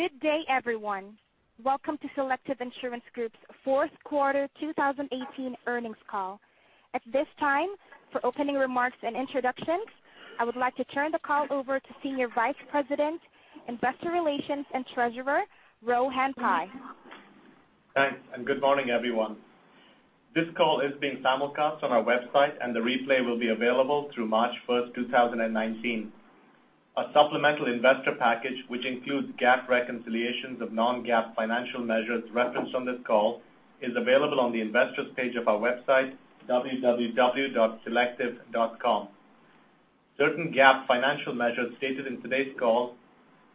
Good day, everyone. Welcome to Selective Insurance Group's fourth quarter 2018 earnings call. At this time, for opening remarks and introductions, I would like to turn the call over to Senior Vice President, Investor Relations and Treasurer, Rohan Pai. Thanks. Good morning, everyone. This call is being simulcast on our website, and the replay will be available through March 1st, 2019. A supplemental investor package, which includes GAAP reconciliations of non-GAAP financial measures referenced on this call, is available on the investor's page of our website, www.selective.com. Certain GAAP financial measures stated in today's call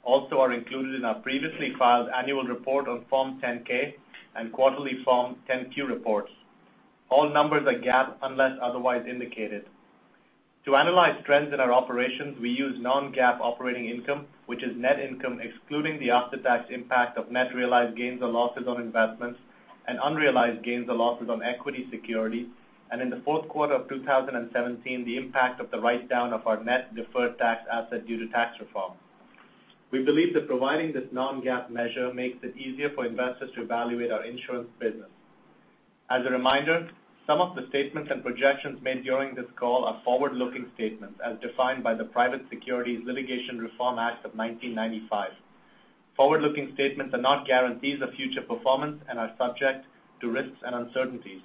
also are included in our previously filed annual report on Form 10-K and quarterly Form 10-Q reports. All numbers are GAAP unless otherwise indicated. To analyze trends in our operations, we use non-GAAP operating income, which is net income excluding the after-tax impact of net realized gains or losses on investments and unrealized gains or losses on equity security, and in the fourth quarter of 2017, the impact of the write-down of our net deferred tax asset due to tax reform. We believe that providing this non-GAAP measure makes it easier for investors to evaluate our insurance business. As a reminder, some of the statements and projections made during this call are forward-looking statements as defined by the Private Securities Litigation Reform Act of 1995. Forward-looking statements are not guarantees of future performance and are subject to risks and uncertainties.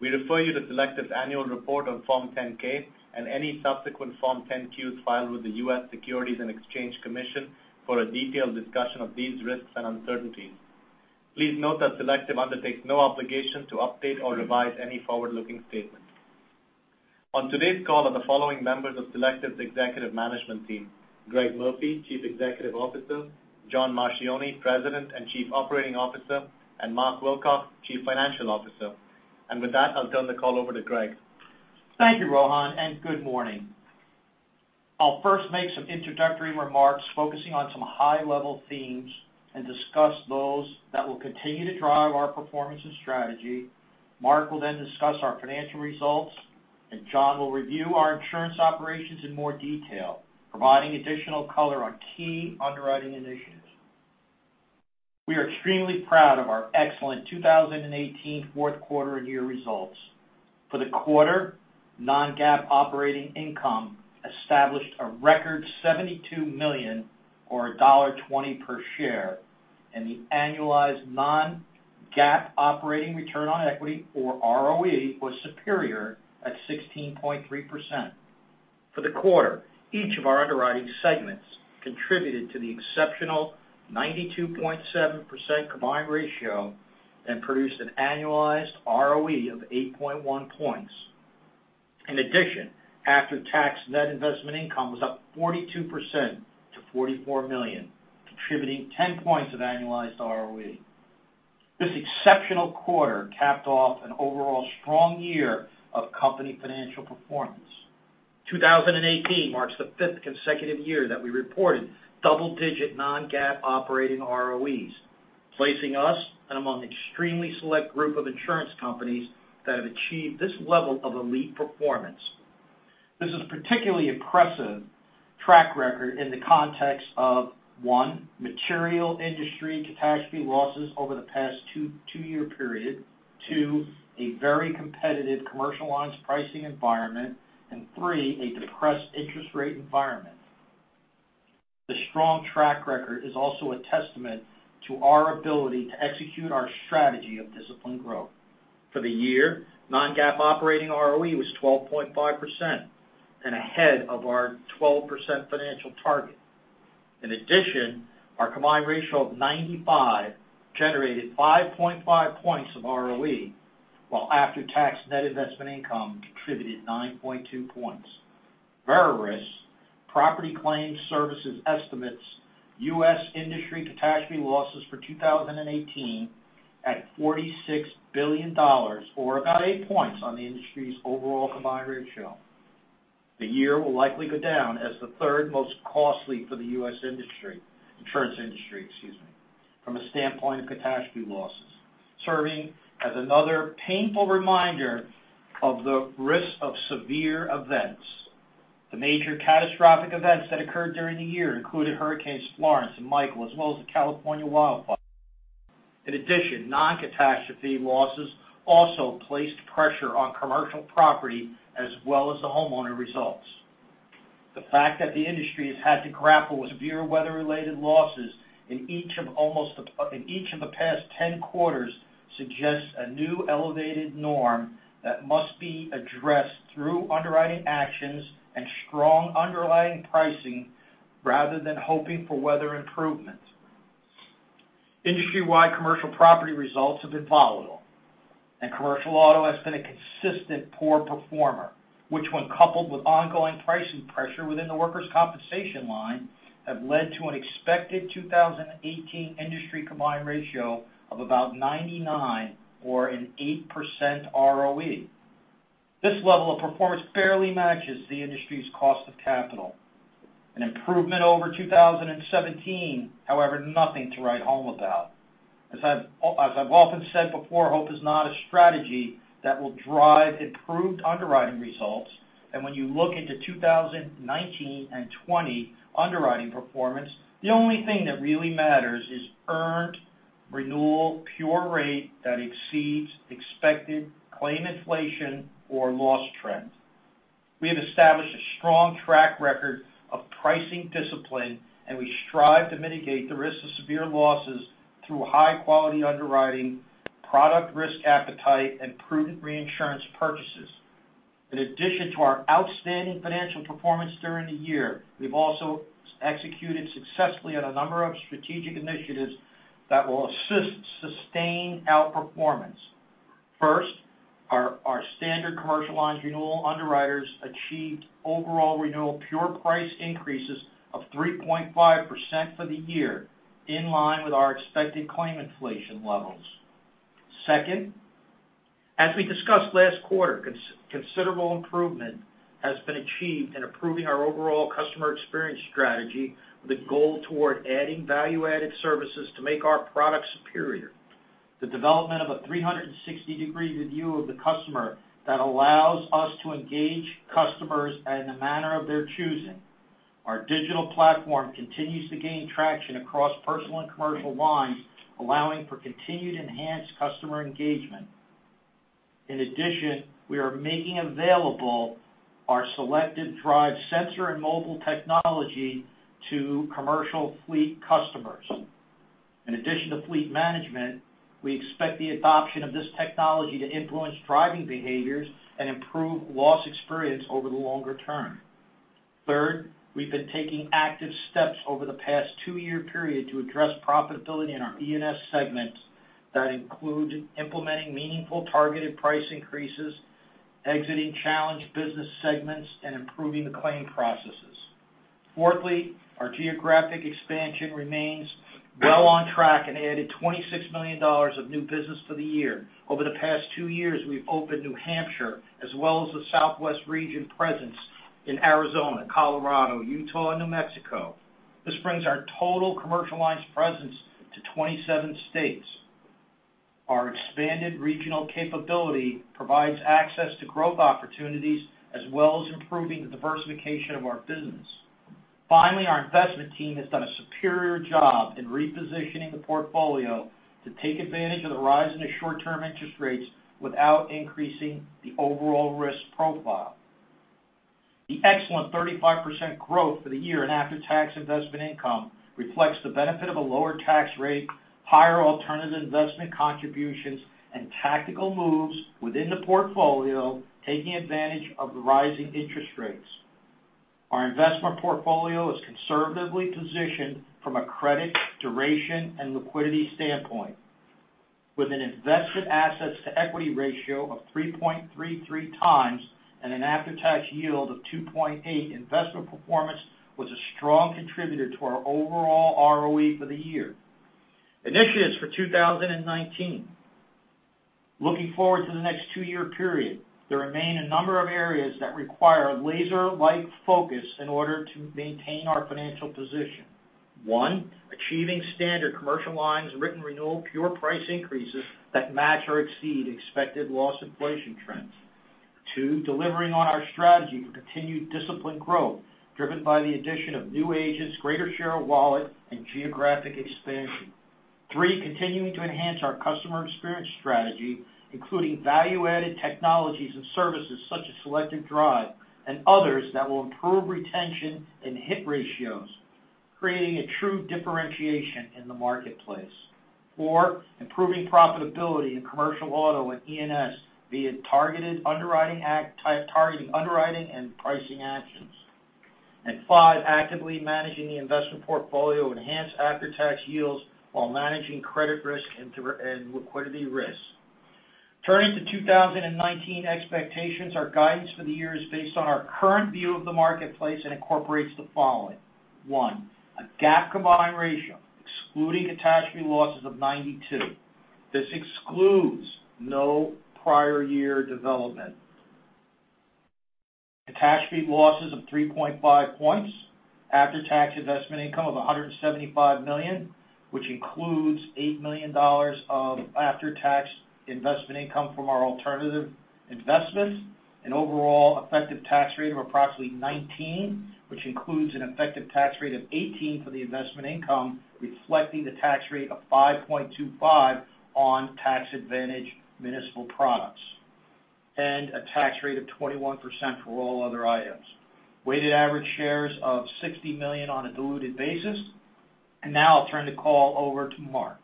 We refer you to Selective's annual report on Form 10-K and any subsequent Form 10-Qs filed with the U.S. Securities and Exchange Commission for a detailed discussion of these risks and uncertainties. Please note that Selective undertakes no obligation to update or revise any forward-looking statements. On today's call are the following members of Selective's executive management team: Greg Murphy, Chief Executive Officer; John Marchioni, President and Chief Operating Officer; and Mark Wilcox, Chief Financial Officer. With that, I'll turn the call over to Greg. Thank you, Rohan. Good morning. I'll first make some introductory remarks focusing on some high-level themes and discuss those that will continue to drive our performance and strategy. Mark will discuss our financial results, and John will review our insurance operations in more detail, providing additional color on key underwriting initiatives. We are extremely proud of our excellent 2018 fourth quarter and year results. For the quarter, non-GAAP operating income established a record $72 million, or $1.20 per share, and the annualized non-GAAP operating return on equity or ROE, was superior at 16.3%. For the quarter, each of our underwriting segments contributed to the exceptional 92.7% combined ratio and produced an annualized ROE of 8.1 points. In addition, after-tax net investment income was up 42% to $44 million, contributing 10 points of annualized ROE. This exceptional quarter capped off an overall strong year of company financial performance. 2018 marks the fifth consecutive year that we reported double-digit non-GAAP operating ROEs, placing us among extremely select group of insurance companies that have achieved this level of elite performance. This is a particularly impressive track record in the context of, one, material industry catastrophe losses over the past two-year period, two, a very competitive Commercial Lines pricing environment, three, a depressed interest rate environment. The strong track record is also a testament to our ability to execute our strategy of disciplined growth. For the year, non-GAAP operating ROE was 12.5% and ahead of our 12% financial target. In addition, our combined ratio of 95 generated 5.5 points of ROE, while after-tax net investment income contributed 9.2 points. Verisk Property Claim Services estimates U.S. industry catastrophe losses for 2018 at $46 billion, or about eight points on the industry's overall combined ratio. The year will likely go down as the third most costly for the U.S. industry, insurance industry, excuse me, from a standpoint of catastrophe losses, serving as another painful reminder of the risk of severe events. The major catastrophic events that occurred during the year included Hurricane Florence and Hurricane Michael, as well as the California wildfires. In addition, non-catastrophe losses also placed pressure on Commercial Property as well as the homeowner results. The fact that the industry has had to grapple with severe weather-related losses in each of the past 10 quarters suggests a new elevated norm that must be addressed through underwriting actions and strong underlying pricing, rather than hoping for weather improvement. Industry-wide Commercial Property results have been volatile, Commercial Auto has been a consistent poor performer, which when coupled with ongoing pricing pressure within the Workers' Compensation line, have led to an expected 2018 industry combined ratio of about 99 or an 8% ROE. This level of performance barely matches the industry's cost of capital. An improvement over 2017, however, nothing to write home about. As I've often said before, hope is not a strategy that will drive improved underwriting results. When you look into 2019 and 2020 underwriting performance, the only thing that really matters is earned renewal pure rate that exceeds expected claim inflation or loss trend. We have established a strong track record of pricing discipline, and we strive to mitigate the risk of severe losses through high-quality underwriting, product risk appetite, and prudent reinsurance purchases. In addition to our outstanding financial performance during the year, we've also executed successfully on a number of strategic initiatives that will assist sustain outperformance. First, our Standard Commercial Lines renewal underwriters achieved overall renewal pure price increases of 3.5% for the year, in line with our expected claim inflation levels. Second, as we discussed last quarter, considerable improvement has been achieved in improving our overall customer experience strategy with a goal toward adding value-added services to make our product superior. The development of a 360-degree view of the customer that allows us to engage customers in the manner of their choosing. Our digital platform continues to gain traction across Personal Lines and Commercial Lines, allowing for continued enhanced customer engagement. In addition, we are making available our Selective Drive sensor and mobile technology to commercial fleet customers. In addition to fleet management, we expect the adoption of this technology to influence driving behaviors and improve loss experience over the longer term. Third, we've been taking active steps over the past two-year period to address profitability in our E&S segment that include implementing meaningful targeted price increases, exiting challenged business segments, and improving the claim processes. Fourthly, our geographic expansion remains well on track and added $26 million of new business for the year. Over the past two years, we've opened New Hampshire as well as the Southwest region presence in Arizona, Colorado, Utah, and New Mexico. This brings our total Commercial Lines presence to 27 states. Our expanded regional capability provides access to growth opportunities as well as improving the diversification of our business. Our investment team has done a superior job in repositioning the portfolio to take advantage of the rise in the short-term interest rates without increasing the overall risk profile. The excellent 35% growth for the year in after-tax investment income reflects the benefit of a lower tax rate, higher alternative investment contributions, and tactical moves within the portfolio, taking advantage of the rising interest rates. Our investment portfolio is conservatively positioned from a credit, duration, and liquidity standpoint. With an investment assets to equity ratio of 3.33x and an after-tax yield of 2.8%, investment performance was a strong contributor to our overall ROE for the year. Initiatives for 2019. Looking forward to the next two-year period, there remain a number of areas that require a laser-like focus in order to maintain our financial position. One, achieving Standard Commercial Lines written renewal pure price increases that match or exceed expected loss inflation trends. Two, delivering on our strategy for continued disciplined growth, driven by the addition of new agents, greater share of wallet, and geographic expansion. Three, continuing to enhance our customer experience strategy, including value-added technologies and services such as Selective Drive and others that will improve retention and hit ratios, creating a true differentiation in the marketplace. Four, improving profitability in Commercial Auto and E&S via targeting underwriting and pricing actions. Five, actively managing the investment portfolio to enhance after-tax yields while managing credit risk and liquidity risk. Turning to 2019 expectations, our guidance for the year is based on our current view of the marketplace and incorporates the following. One, a GAAP combined ratio, excluding catastrophe losses of 92. This excludes no prior year development. Catastrophe losses of 3.5 points. After-tax investment income of $175 million, which includes $8 million of after-tax investment income from our alternative investments. An overall effective tax rate of approximately 19%, which includes an effective tax rate of 18% for the investment income, reflecting the tax rate of 5.25% on tax-advantaged municipal products. A tax rate of 21% for all other items. Weighted average shares of 60 million on a diluted basis. Now I'll turn the call over to Mark.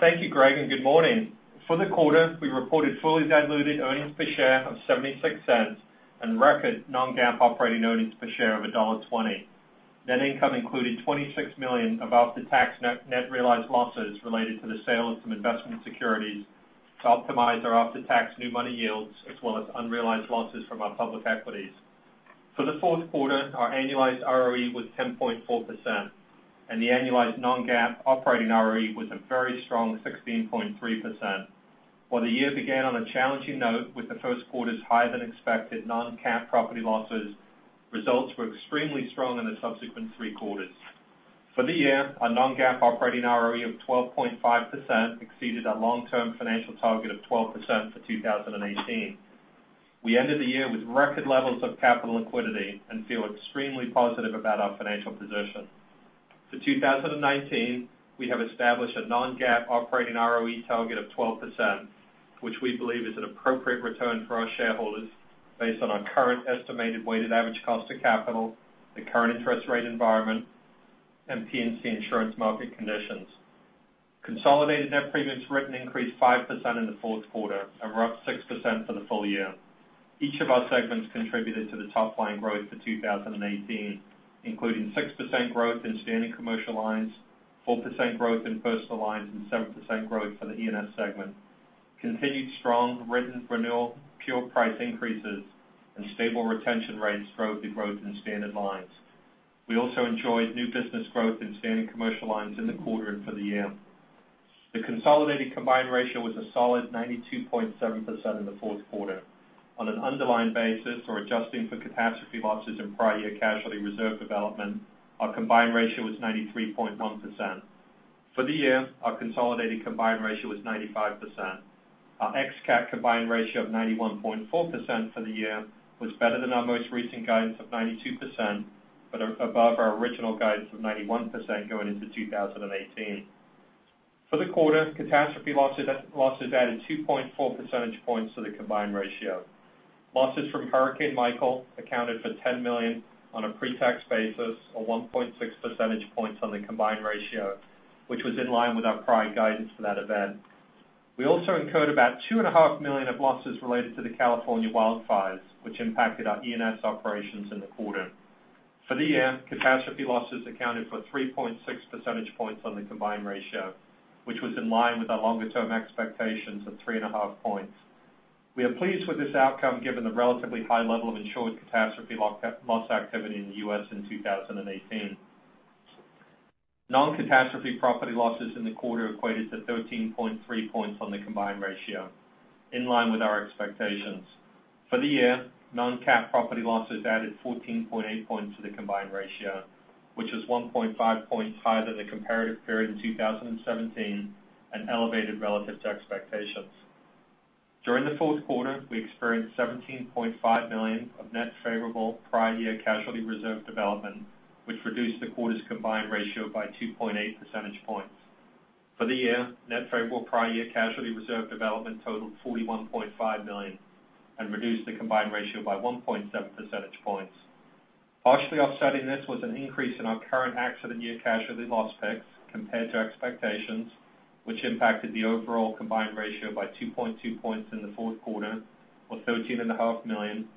Thank you, Greg, and good morning. For the quarter, we reported fully diluted earnings per share of $0.76 and record non-GAAP operating earnings per share of $1.20. Net income included $26 million of after-tax net realized losses related to the sale of some investment securities to optimize our after-tax new money yields, as well as unrealized losses from our public equities. For the fourth quarter, our annualized ROE was 10.4%, and the annualized non-GAAP operating ROE was a very strong 16.3%. While the year began on a challenging note with the first quarter's higher-than-expected non-cat property losses, results were extremely strong in the subsequent three quarters. For the year, our non-GAAP operating ROE of 12.5% exceeded our long-term financial target of 12% for 2018. We ended the year with record levels of capital liquidity and feel extremely positive about our financial position. For 2019, we have established a non-GAAP operating ROE target of 12%, which we believe is an appropriate return for our shareholders based on our current estimated weighted average cost of capital, the current interest rate environment, and P&C insurance market conditions. Consolidated net premiums written increased 5% in the fourth quarter and were up 6% for the full year. Each of our segments contributed to the top line growth for 2018, including 6% growth in Standard Commercial Lines, 4% growth in Personal Lines, and 7% growth for the E&S segment. Continued strong written renewal pure price increases and stable retention rates drove the growth in standard lines. We also enjoyed new business growth in Standard Commercial Lines in the quarter and for the year. The consolidated combined ratio was a solid 92.7% in the fourth quarter. On an underlying basis, or adjusting for catastrophe losses and prior year casualty reserve development, our combined ratio was 93.1%. For the year, our consolidated combined ratio was 95%. Our ex-cat combined ratio of 91.4% for the year was better than our most recent guidance of 92%, but above our original guidance of 91% going into 2018. For the quarter, catastrophe losses added 2.4 percentage points to the combined ratio. Losses from Hurricane Michael accounted for $10 million on a pre-tax basis, or 1.6 percentage points on the combined ratio, which was in line with our prior guidance for that event. We also incurred about $2.5 million of losses related to the California wildfires, which impacted our E&S operations in the quarter. For the year, catastrophe losses accounted for 3.6 percentage points on the combined ratio, which was in line with our longer-term expectations of three and a half points. We are pleased with this outcome given the relatively high level of insured catastrophe loss activity in the U.S. in 2018. Non-catastrophe property losses in the quarter equated to 13.3 points on the combined ratio, in line with our expectations. For the year, non-cat property losses added 14.8 points to the combined ratio, which was 1.5 points higher than the comparative period in 2017 and elevated relative to expectations. During the fourth quarter, we experienced $17.5 million of net favorable prior year casualty reserve development, which reduced the quarter's combined ratio by 2.8 percentage points. For the year, net favorable prior year casualty reserve development totaled $41.5 million and reduced the combined ratio by 1.7 percentage points. Partially offsetting this was an increase in our current accident year casualty loss picks compared to expectations, which impacted the overall combined ratio by 2.2 points in the fourth quarter or $13.5 million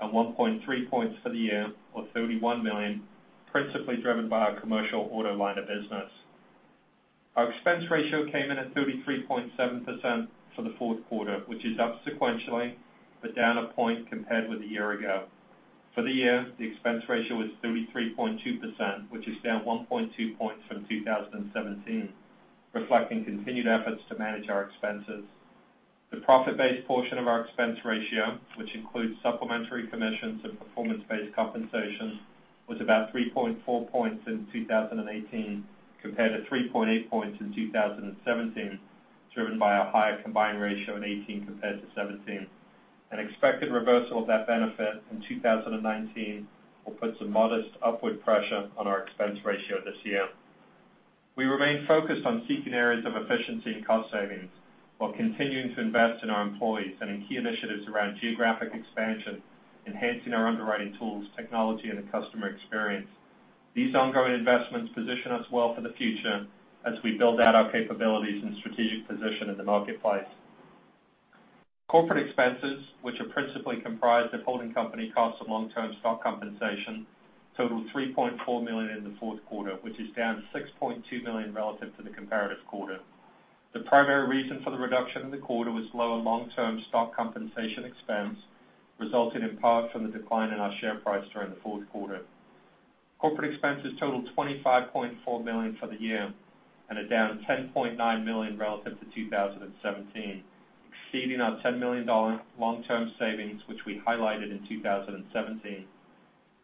and 1.3 points for the year or $31 million, principally driven by our Commercial Auto line of business. Our expense ratio came in at 33.7% for the fourth quarter, which is up sequentially, but down one point compared with a year ago. For the year, the expense ratio was 33.2%, which is down 1.2 points from 2017, reflecting continued efforts to manage our expenses. The profit-based portion of our expense ratio, which includes supplementary commissions and performance-based compensation, was about 3.4 points in 2018 compared to 3.8 points in 2017, driven by our higher combined ratio in 2018 compared to 2017. An expected reversal of that benefit in 2019 will put some modest upward pressure on our expense ratio this year. We remain focused on seeking areas of efficiency and cost savings while continuing to invest in our employees and in key initiatives around geographic expansion, enhancing our underwriting tools, technology, and the customer experience. These ongoing investments position us well for the future as we build out our capabilities and strategic position in the marketplace. Corporate expenses, which are principally comprised of holding company costs of long-term stock compensation, totaled $3.4 million in the fourth quarter, which is down $6.2 million relative to the comparative quarter. The primary reason for the reduction in the quarter was lower long-term stock compensation expense, resulting in part from the decline in our share price during the fourth quarter. Corporate expenses totaled $25.4 million for the year and are down $10.9 million relative to 2017, exceeding our $10 million long-term savings, which we highlighted in 2017.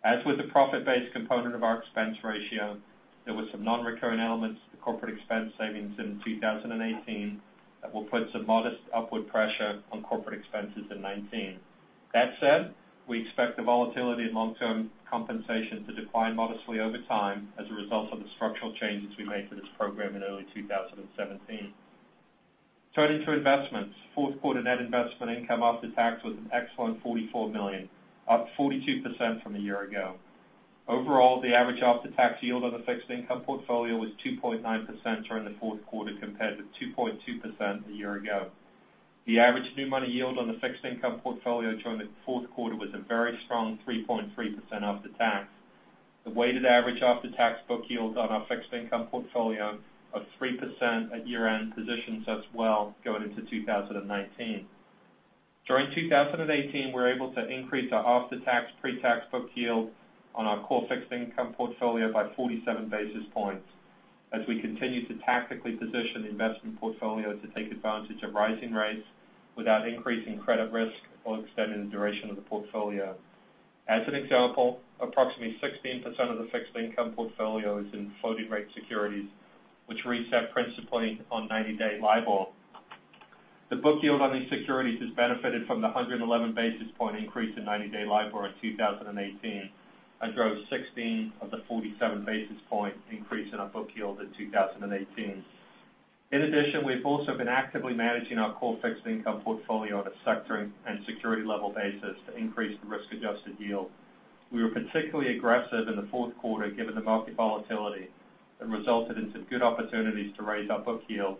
As with the profit-based component of our expense ratio, there were some non-recurring elements to the corporate expense savings in 2018 that will put some modest upward pressure on corporate expenses in 2019. That said, we expect the volatility in long-term compensation to decline modestly over time as a result of the structural changes we made to this program in early 2017. Turning to investments. Fourth quarter net investment income after tax was an excellent $44 million, up 42% from a year ago. Overall, the average after-tax yield on the fixed income portfolio was 2.9% during the fourth quarter compared with 2.2% a year ago. The average new money yield on the fixed income portfolio during the fourth quarter was a very strong 3.3% after tax. The weighted average after-tax book yield on our fixed income portfolio of 3% at year-end positions us well going into 2019. During 2018, we were able to increase our after-tax pre-tax book yield on our core fixed income portfolio by 47 basis points as we continue to tactically position the investment portfolio to take advantage of rising rates without increasing credit risk or extending the duration of the portfolio. As an example, approximately 16% of the fixed income portfolio is in floating rate securities, which reset principally on 90-day LIBOR. The book yield on these securities has benefited from the 111 basis point increase in 90-day LIBOR in 2018 and drove 16 of the 47 basis point increase in our book yield in 2018. In addition, we've also been actively managing our core fixed income portfolio on a sector and security level basis to increase the risk-adjusted yield. We were particularly aggressive in the fourth quarter, given the market volatility that resulted in some good opportunities to raise our book yield,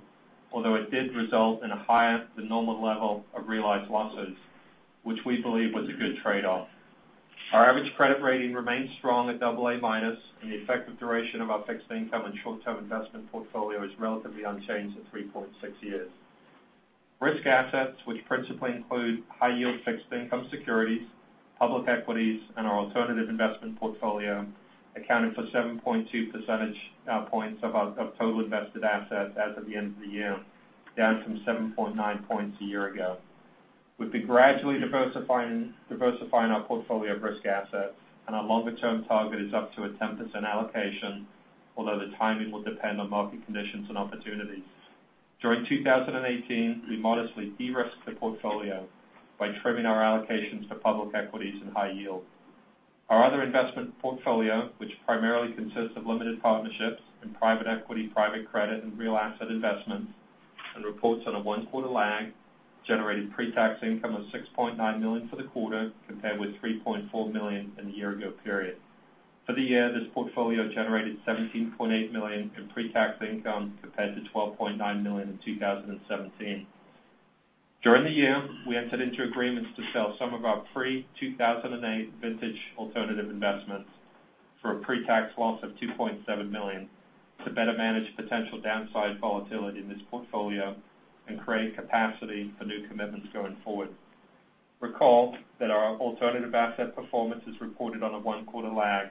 although it did result in a higher than normal level of realized losses, which we believe was a good trade-off. Our average credit rating remains strong at double A minus, and the effective duration of our fixed income and short-term investment portfolio is relatively unchanged at 3.6 years. Risk assets, which principally include high yield fixed income securities, public equities, and our alternative investment portfolio, accounted for 7.2 percentage points of total invested assets as of the end of the year, down from 7.9 points a year ago. We've been gradually diversifying our portfolio of risk assets, and our longer-term target is up to a 10% allocation, although the timing will depend on market conditions and opportunities. During 2018, we modestly de-risked the portfolio by trimming our allocations to public equities and high yield. Our other investment portfolio, which primarily consists of limited partnerships in private equity, private credit, and real asset investments, and reports on a one-quarter lag, generated pre-tax income of $6.9 million for the quarter, compared with $3.4 million in the year ago period. For the year, this portfolio generated $17.8 million in pre-tax income compared to $12.9 million in 2017. During the year, we entered into agreements to sell some of our pre-2008 vintage alternative investments for a pre-tax loss of $2.7 million to better manage potential downside volatility in this portfolio and create capacity for new commitments going forward. Recall that our alternative asset performance is reported on a one-quarter lag,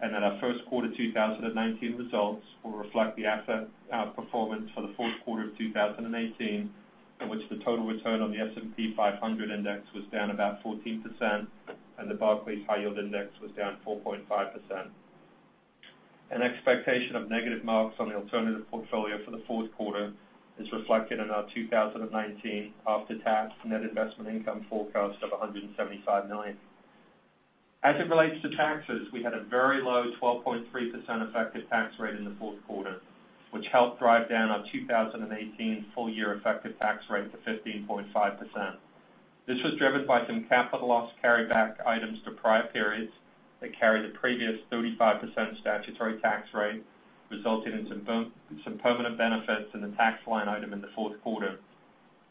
and that our first quarter 2019 results will reflect the asset outperformance for the fourth quarter of 2018, in which the total return on the S&P 500 index was down about 14%, and the Barclays High Yield Index was down 4.5%. An expectation of negative marks on the alternative portfolio for the fourth quarter is reflected in our 2019 after-tax net investment income forecast of $175 million. As it relates to taxes, we had a very low 12.3% effective tax rate in the fourth quarter, which helped drive down our 2018 full-year effective tax rate to 15.5%. This was driven by some capital loss carryback items to prior periods that carried a previous 35% statutory tax rate, resulting in some permanent benefits in the tax line item in the fourth quarter.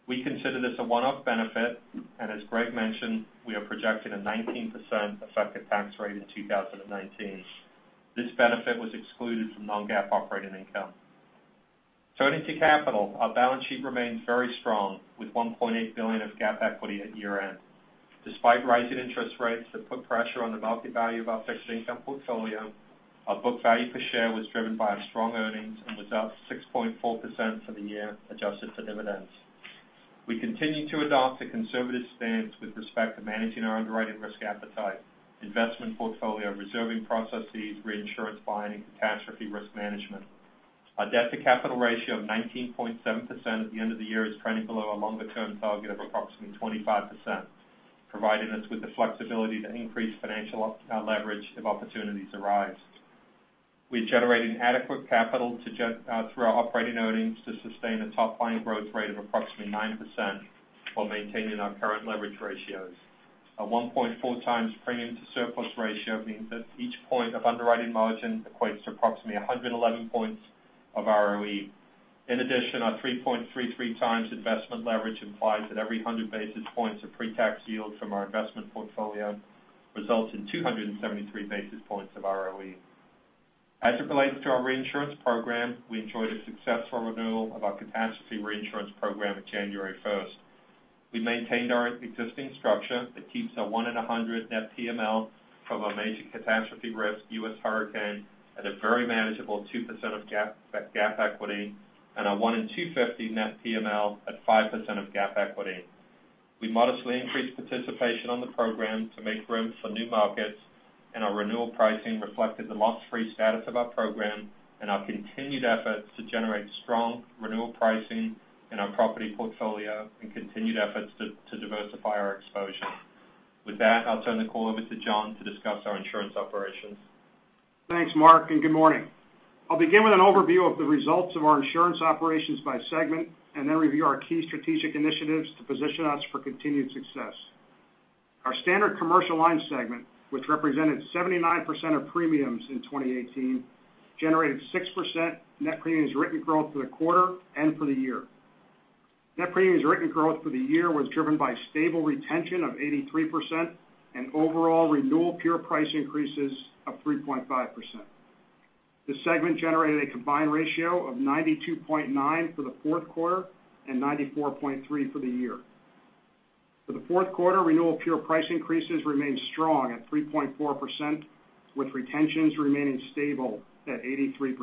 We consider this a one-off benefit. As Greg mentioned, we are projecting a 19% effective tax rate in 2019. This benefit was excluded from non-GAAP operating income. Turning to capital, our balance sheet remains very strong with $1.8 billion of GAAP equity at year-end. Despite rising interest rates that put pressure on the market value of our fixed income portfolio, our book value per share was driven by our strong earnings and was up 6.4% for the year, adjusted for dividends. We continue to adopt a conservative stance with respect to managing our underwriting risk appetite, investment portfolio, reserving processes, reinsurance buying, and catastrophe risk management. Our debt-to-capital ratio of 19.7% at the end of the year is trending below our longer-term target of approximately 25%, providing us with the flexibility to increase financial leverage if opportunities arise. We are generating adequate capital through our operating earnings to sustain a top-line growth rate of approximately 9% while maintaining our current leverage ratios. Our 1.4 times premium to surplus ratio means that each point of underwriting margin equates to approximately 111 points of ROE. In addition, our 3.33 times investment leverage implies that every 100 basis points of pre-tax yield from our investment portfolio results in 273 basis points of ROE. As it relates to our reinsurance program, we enjoyed a successful renewal of our catastrophe reinsurance program on January 1st. We maintained our existing structure that keeps a one in a 100 net PML from a major catastrophe risk, U.S. hurricane, at a very manageable 2% of GAAP equity, and a one in 250 net PML at 5% of GAAP equity. Our renewal pricing reflected the loss-free status of our program and our continued efforts to generate strong renewal pricing in our property portfolio and continued efforts to diversify our exposure. With that, I'll turn the call over to John to discuss our insurance operations. Thanks, Mark, and good morning. I'll begin with an overview of the results of our insurance operations by segment and then review our key strategic initiatives to position us for continued success. Our Standard Commercial Line segment, which represented 79% of premiums in 2018, generated 6% net premiums written growth for the quarter and for the year. Net premiums written growth for the year was driven by stable retention of 83% and overall renewal pure price increases of 3.5%. The segment generated a combined ratio of 92.9 for the fourth quarter and 94.3 for the year. For the fourth quarter, renewal pure price increases remained strong at 3.4%, with retentions remaining stable at 83%.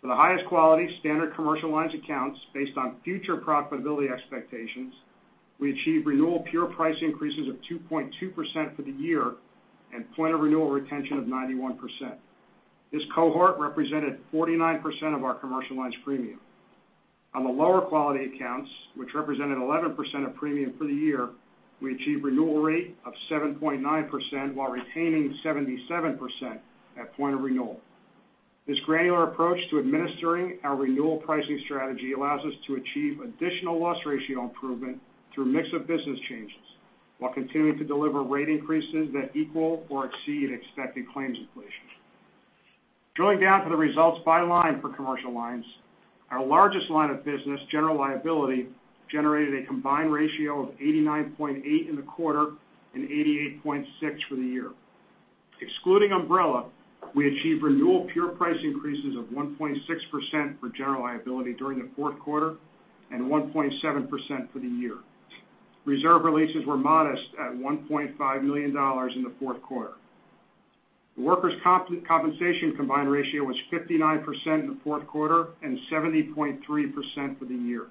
For the highest quality Standard Commercial Lines accounts, based on future profitability expectations, we achieved renewal pure price increases of 2.2% for the year and point of renewal retention of 91%. This cohort represented 49% of our commercial lines premium. On the lower quality accounts, which represented 11% of premium for the year, we achieved a renewal rate of 7.9%, while retaining 77% at point of renewal. This granular approach to administering our renewal pricing strategy allows us to achieve additional loss ratio improvement through mix of business changes while continuing to deliver rate increases that equal or exceed expected claims inflation. Drilling down to the results by line for commercial lines, our largest line of business, General Liability, generated a combined ratio of 89.8 in the quarter and 88.6 for the year. Excluding umbrella, we achieved renewal pure price increases of 1.6% for General Liability during the fourth quarter and 1.7% for the year. Reserve releases were modest at $1.5 million in the fourth quarter. The Workers' Compensation combined ratio was 59% in the fourth quarter and 70.3% for the year.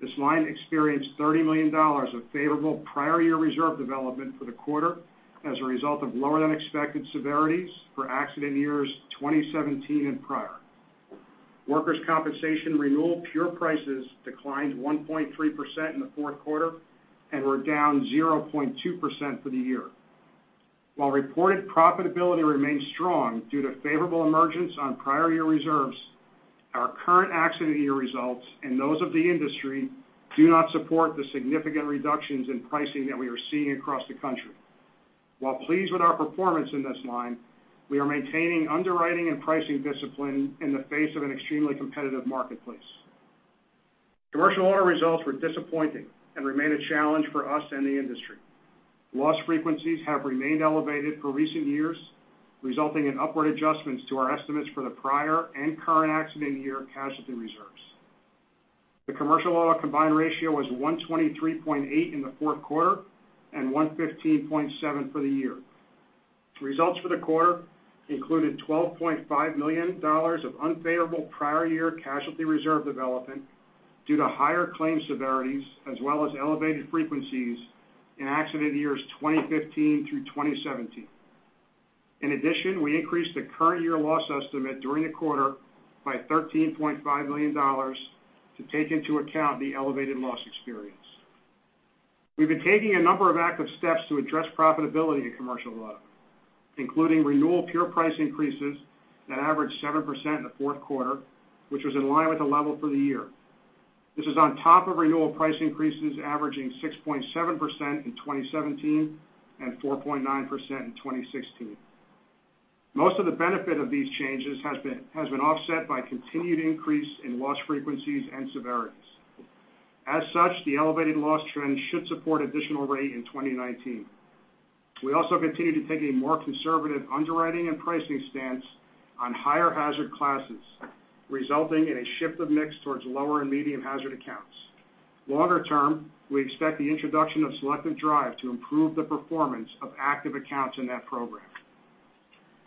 This line experienced $30 million of favorable prior year reserve development for the quarter as a result of lower than expected severities for accident years 2017 and prior. Workers' Compensation renewal pure prices declined 1.3% in the fourth quarter and were down 0.2% for the year. While reported profitability remains strong due to favorable emergence on prior year reserves, our current accident year results and those of the industry do not support the significant reductions in pricing that we are seeing across the country. While pleased with our performance in this line, we are maintaining underwriting and pricing discipline in the face of an extremely competitive marketplace. Commercial Auto results were disappointing and remain a challenge for us and the industry. Loss frequencies have remained elevated for recent years, resulting in upward adjustments to our estimates for the prior and current accident year casualty reserves. The Commercial Auto combined ratio was 123.8% in the fourth quarter and 115.7% for the year. Results for the quarter included $12.5 million of unfavorable prior year casualty reserve development due to higher claims severities as well as elevated frequencies in accident years 2015 through 2017. In addition, we increased the current year loss estimate during the quarter by $13.5 million to take into account the elevated loss experience. We've been taking a number of active steps to address profitability in Commercial Auto, including renewal pure price increases that averaged 7% in the fourth quarter, which was in line with the level for the year. This is on top of renewal price increases averaging 6.7% in 2017 and 4.9% in 2016. Most of the benefit of these changes has been offset by continued increase in loss frequencies and severities. The elevated loss trend should support additional rate in 2019. We also continue to take a more conservative underwriting and pricing stance on higher hazard classes, resulting in a shift of mix towards lower and medium hazard accounts. Longer term, we expect the introduction of Selective Drive to improve the performance of active accounts in that program.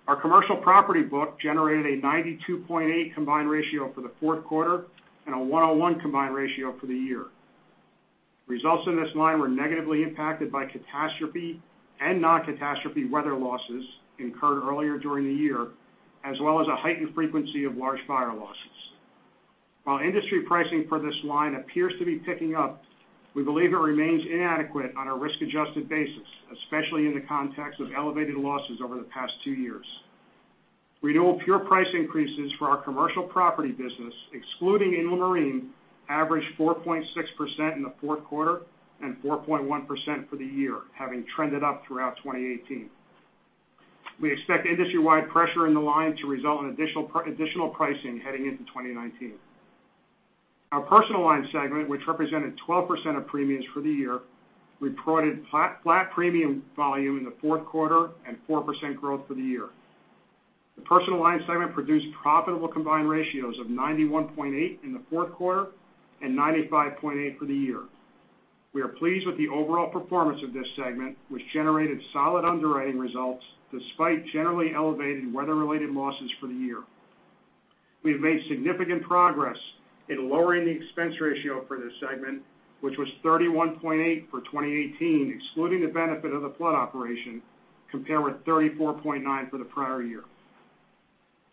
Our Commercial Property book generated a 92.8% combined ratio for the fourth quarter and a 101% combined ratio for the year. Results in this line were negatively impacted by catastrophe and non-catastrophe weather losses incurred earlier during the year, as well as a heightened frequency of large fire losses. While industry pricing for this line appears to be picking up, we believe it remains inadequate on a risk-adjusted basis, especially in the context of elevated losses over the past two years. Renewal pure price increases for our Commercial Property business, excluding inland marine, averaged 4.6% in the fourth quarter and 4.1% for the year, having trended up throughout 2018. We expect industry-wide pressure in the line to result in additional pricing heading into 2019. Our Personal Lines segment, which represented 12% of premiums for the year, reported flat premium volume in the fourth quarter and 4% growth for the year. The Personal Lines segment produced profitable combined ratios of 91.8% in the fourth quarter and 95.8% for the year. We are pleased with the overall performance of this segment, which generated solid underwriting results despite generally elevated weather-related losses for the year. We have made significant progress in lowering the expense ratio for this segment, which was 31.8 for 2018, excluding the benefit of the flood operation, compared with 34.9 for the prior year.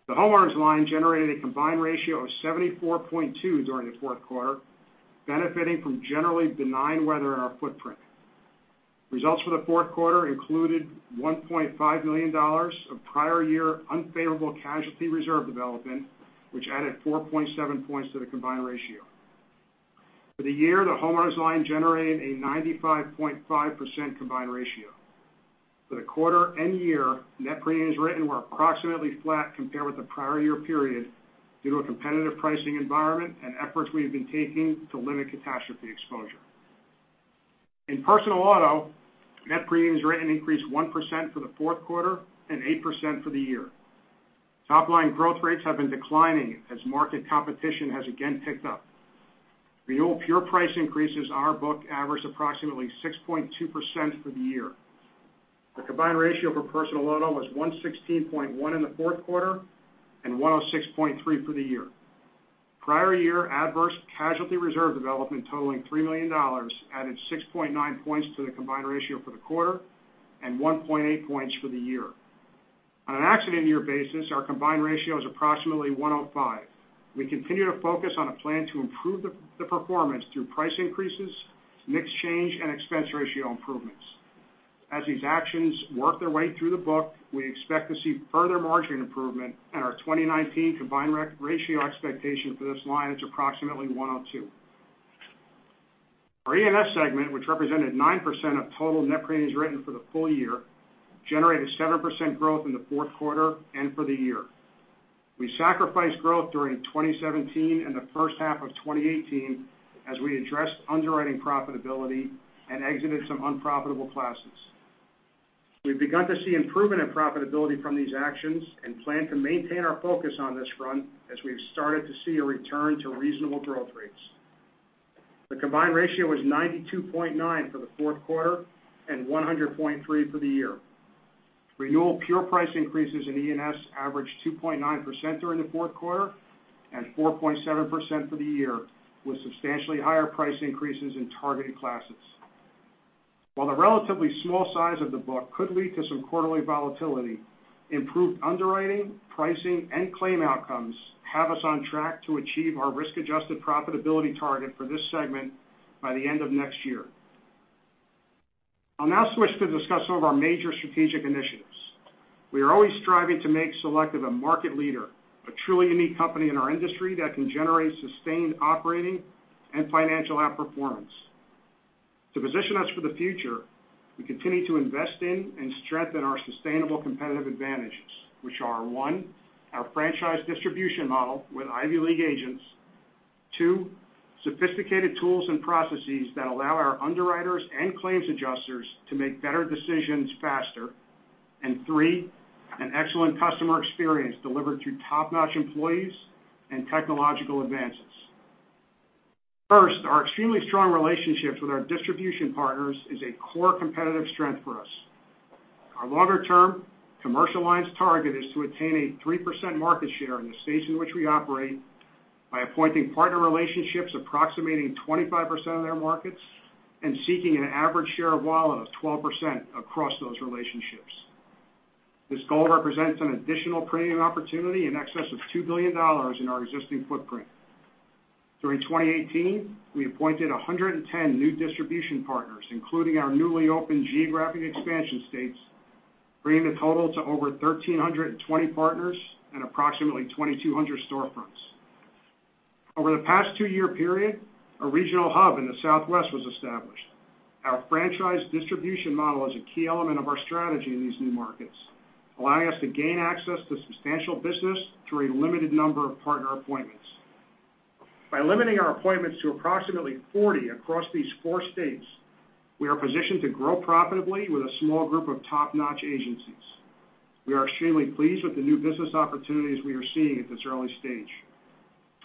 The homeowners line generated a combined ratio of 74.2 during the fourth quarter, benefiting from generally benign weather in our footprint. Results for the fourth quarter included $1.5 million of prior year unfavorable casualty reserve development, which added 4.7 points to the combined ratio. For the year, the homeowners line generated a 95.5% combined ratio. For the quarter and year, net premiums written were approximately flat compared with the prior year period due to a competitive pricing environment and efforts we have been taking to limit catastrophe exposure. In personal auto, net premiums written increased 1% for the fourth quarter and 8% for the year. Top-line growth rates have been declining as market competition has again picked up. Renewal pure price increases on our book averaged approximately 6.2% for the year. The combined ratio for personal auto was 116.1 in the fourth quarter and 106.3 for the year. Prior year adverse casualty reserve development totaling $3 million added 6.9 points to the combined ratio for the quarter and 1.8 points for the year. On an accident year basis, our combined ratio is approximately 105. We continue to focus on a plan to improve the performance through price increases, mix change and expense ratio improvements. As these actions work their way through the book, we expect to see further margin improvement and our 2019 combined ratio expectation for this line is approximately 102. Our E&S segment, which represented 9% of total net premiums written for the full year, generated 7% growth in the fourth quarter and for the year. We sacrificed growth during 2017 and the first half of 2018 as we addressed underwriting profitability and exited some unprofitable classes. We've begun to see improvement in profitability from these actions and plan to maintain our focus on this front as we've started to see a return to reasonable growth rates. The combined ratio was 92.9 for the fourth quarter and 100.3 for the year. Renewal pure price increases in E&S averaged 2.9% during the fourth quarter and 4.7% for the year, with substantially higher price increases in targeted classes. While the relatively small size of the book could lead to some quarterly volatility, improved underwriting, pricing, and claim outcomes have us on track to achieve our risk-adjusted profitability target for this segment by the end of next year. I'll now switch to discuss some of our major strategic initiatives. We are always striving to make Selective a market leader, a truly unique company in our industry that can generate sustained operating and financial outperformance. To position us for the future, we continue to invest in and strengthen our sustainable competitive advantages, which are, one, our franchise distribution model with Ivy League agents. Two, sophisticated tools and processes that allow our underwriters and claims adjusters to make better decisions faster. Three, an excellent customer experience delivered through top-notch employees and technological advances. First, our extremely strong relationships with our distribution partners is a core competitive strength for us. Our longer-term commercial lines target is to attain a 3% market share in the states in which we operate by appointing partner relationships approximating 25% of their markets and seeking an average share of wallet of 12% across those relationships. This goal represents an additional premium opportunity in excess of $2 billion in our existing footprint. During 2018, we appointed 110 new distribution partners, including our newly opened geographic expansion states, bringing the total to over 1,320 partners and approximately 2,200 storefronts. Over the past two-year period, a regional hub in the Southwest was established. Our franchise distribution model is a key element of our strategy in these new markets, allowing us to gain access to substantial business through a limited number of partner appointments. By limiting our appointments to approximately 40 across these four states, we are positioned to grow profitably with a small group of top-notch agencies. We are extremely pleased with the new business opportunities we are seeing at this early stage.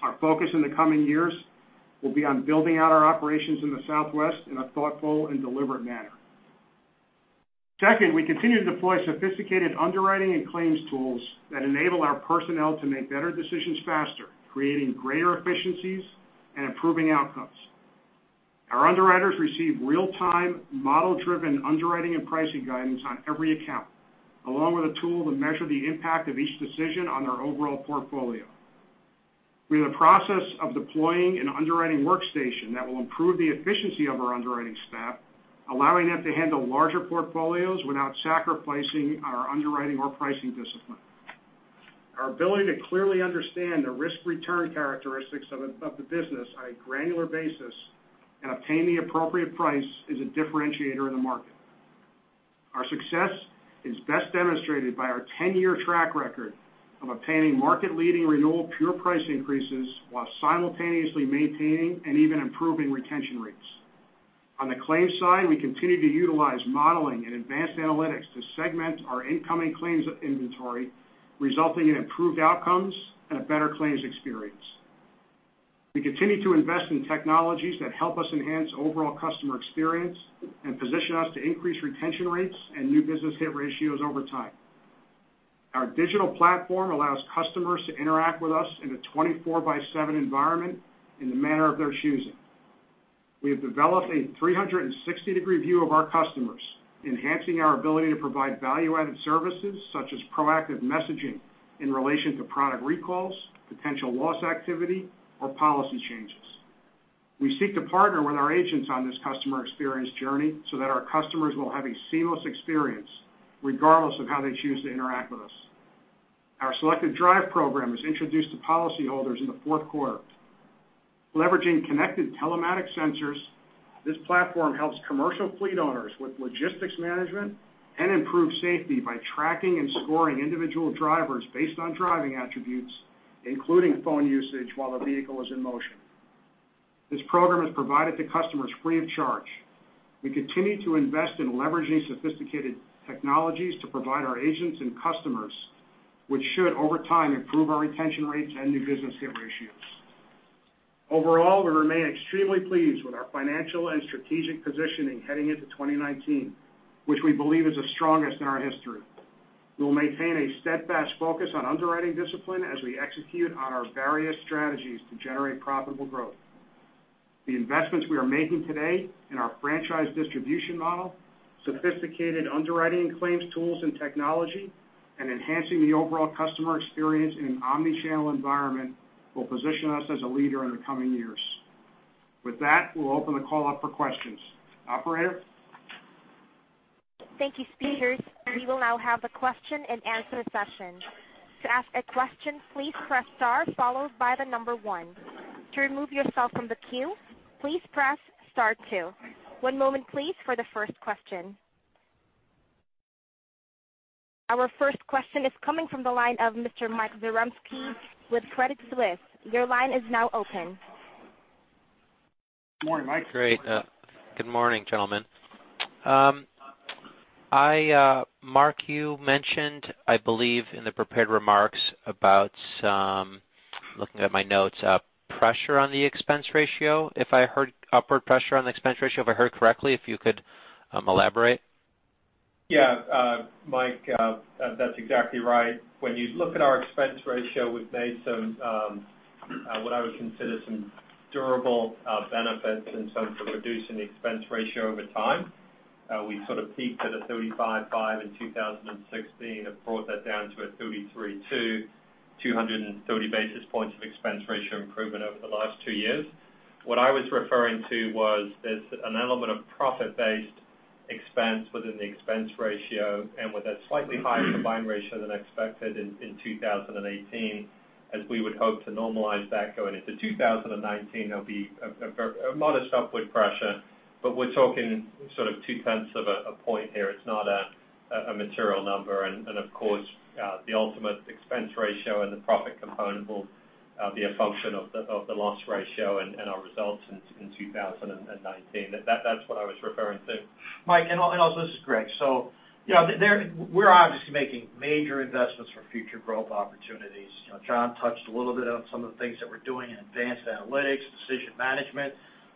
Our focus in the coming years will be on building out our operations in the Southwest in a thoughtful and deliberate manner. Second, we continue to deploy sophisticated underwriting and claims tools that enable our personnel to make better decisions faster, creating greater efficiencies and improving outcomes. Our underwriters receive real-time, model-driven underwriting and pricing guidance on every account, along with a tool to measure the impact of each decision on our overall portfolio. We are in the process of deploying an underwriting workstation that will improve the efficiency of our underwriting staff, allowing them to handle larger portfolios without sacrificing our underwriting or pricing discipline. Our ability to clearly understand the risk-return characteristics of the business on a granular basis and obtain the appropriate price is a differentiator in the market. Our success is best demonstrated by our 10-year track record of obtaining market-leading renewal pure price increases while simultaneously maintaining and even improving retention rates. On the claims side, we continue to utilize modeling and advanced analytics to segment our incoming claims inventory, resulting in improved outcomes and a better claims experience. We continue to invest in technologies that help us enhance overall customer experience and position us to increase retention rates and new business hit ratios over time. Our digital platform allows customers to interact with us in a 24/7 environment in the manner of their choosing. We have developed a 360-degree view of our customers, enhancing our ability to provide value-added services such as proactive messaging in relation to product recalls, potential loss activity, or policy changes. We seek to partner with our agents on this customer experience journey so that our customers will have a seamless experience regardless of how they choose to interact with us. Our Selective Drive program was introduced to policyholders in the fourth quarter. Leveraging connected telematics sensors, this platform helps commercial fleet owners with logistics management and improved safety by tracking and scoring individual drivers based on driving attributes including phone usage while the vehicle is in motion. This program is provided to customers free of charge. We continue to invest in leveraging sophisticated technologies to provide our agents and customers, which should, over time, improve our retention rates and new business hit ratios. Overall, we remain extremely pleased with our financial and strategic positioning heading into 2019, which we believe is the strongest in our history. We'll maintain a steadfast focus on underwriting discipline as we execute on our various strategies to generate profitable growth. The investments we are making today in our franchise distribution model, sophisticated underwriting claims tools and technology, and enhancing the overall customer experience in an omni-channel environment will position us as a leader in the coming years. With that, we'll open the call up for questions. Operator? Thank you, speakers. We will now have the question-and-answer session. To ask a question, please press star followed by the number one. To remove yourself from the queue, please press star two. One moment, please, for the first question. Our first question is coming from the line of Mr. Mike Zaremski with Credit Suisse. Your line is now open. Good morning, Mike. Great. Good morning, gentlemen. Mark, you mentioned, I believe, in the prepared remarks about, looking at my notes, pressure on the expense ratio. If I heard upward pressure on the expense ratio, if I heard correctly, if you could elaborate. Mike, that's exactly right. When you look at our expense ratio, we've made what I would consider some durable benefits in terms of reducing the expense ratio over time. We sort of peaked at a 35.5 in 2016 and brought that down to a 33.2, 230 basis points of expense ratio improvement over the last two years. What I was referring to was there's an element of profit-based expense within the expense ratio, and with a slightly higher combined ratio than expected in 2018, as we would hope to normalize that going into 2019, there'll be a modest upward pressure. We're talking sort of two-tenths of a point here. It's not a material number. Of course, the ultimate expense ratio and the profit component will be a function of the loss ratio and our results in 2019. That's what I was referring to. Mike, also this is Greg. We're obviously making major investments for future growth opportunities. John touched a little bit on some of the things that we're doing in advanced analytics, decision management,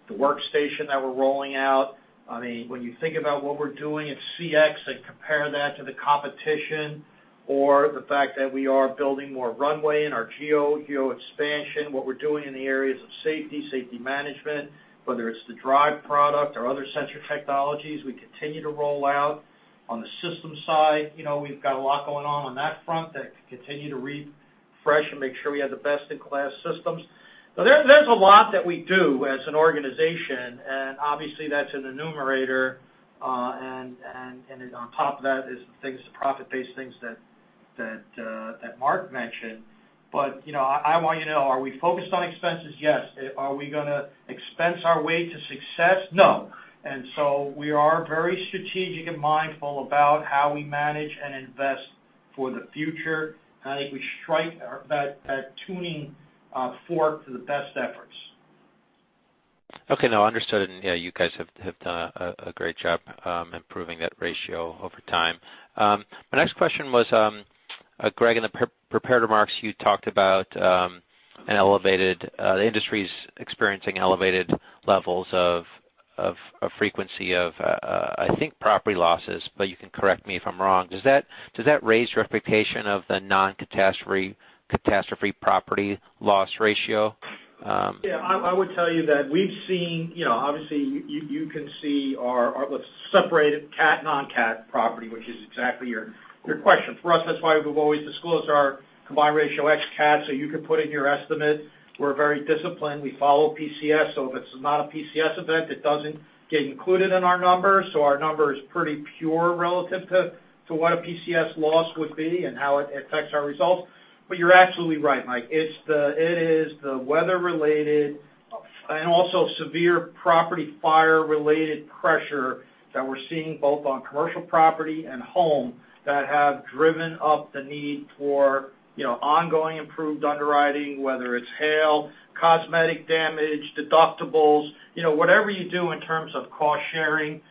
the workstation that we're rolling out. When you think about what we're doing at CX and compare that to the competition or the fact that we are building more runway in our geo expansion, what we're doing in the areas of safety management, whether it's the Drive product or other sensor technologies we continue to roll out. On the system side, we've got a lot going on on that front that can continue to refresh and make sure we have the best in class systems. There's a lot that we do as an organization, and obviously, that's in the numerator, and then on top of that is the profit-based things that Mark mentioned. I want you to know, are we focused on expenses? Yes. Are we going to expense our way to success? No. We are very strategic and mindful about how we manage and invest for the future. I think we strike that tuning fork to the best efforts. Okay. No, understood. Yeah, you guys have done a great job improving that ratio over time. My next question was, Greg, in the prepared remarks, you talked about the industry's experiencing elevated levels of frequency of, I think, property losses, but you can correct me if I'm wrong. Does that raise your expectation of the non-catastrophe property loss ratio? Yeah, I would tell you that we've seen, obviously you can see our, let's separate cat, non-cat property, which is exactly your question. For us, that's why we've always disclosed our combined ratio X cat, so you could put in your estimate. We're very disciplined. We follow PCS. If it's not a PCS event, it doesn't get included in our numbers. Our number is pretty pure relative to what a PCS loss would be and how it affects our results. You're absolutely right, Mike. It is the weather related and also severe property fire related pressure that we're seeing both on Commercial Property and home that have driven up the need for ongoing improved underwriting, whether it's hail, cosmetic damage, deductibles, whatever you do in terms of cost sharing,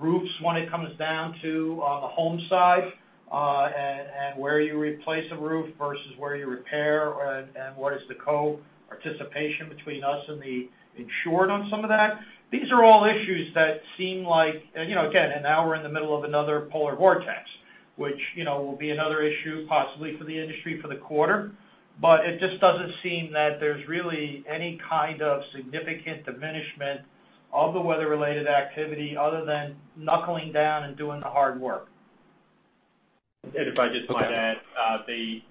roofs when it comes down to the home side, and where you replace a roof versus where you repair and what is the co-participation between us and the insured on some of that. These are all issues that seem like, again, now we're in the middle of another polar vortex, which will be another issue possibly for the industry for the quarter. It just doesn't seem that there's really any kind of significant diminishment of the weather related activity other than knuckling down and doing the hard work. If I just might add, the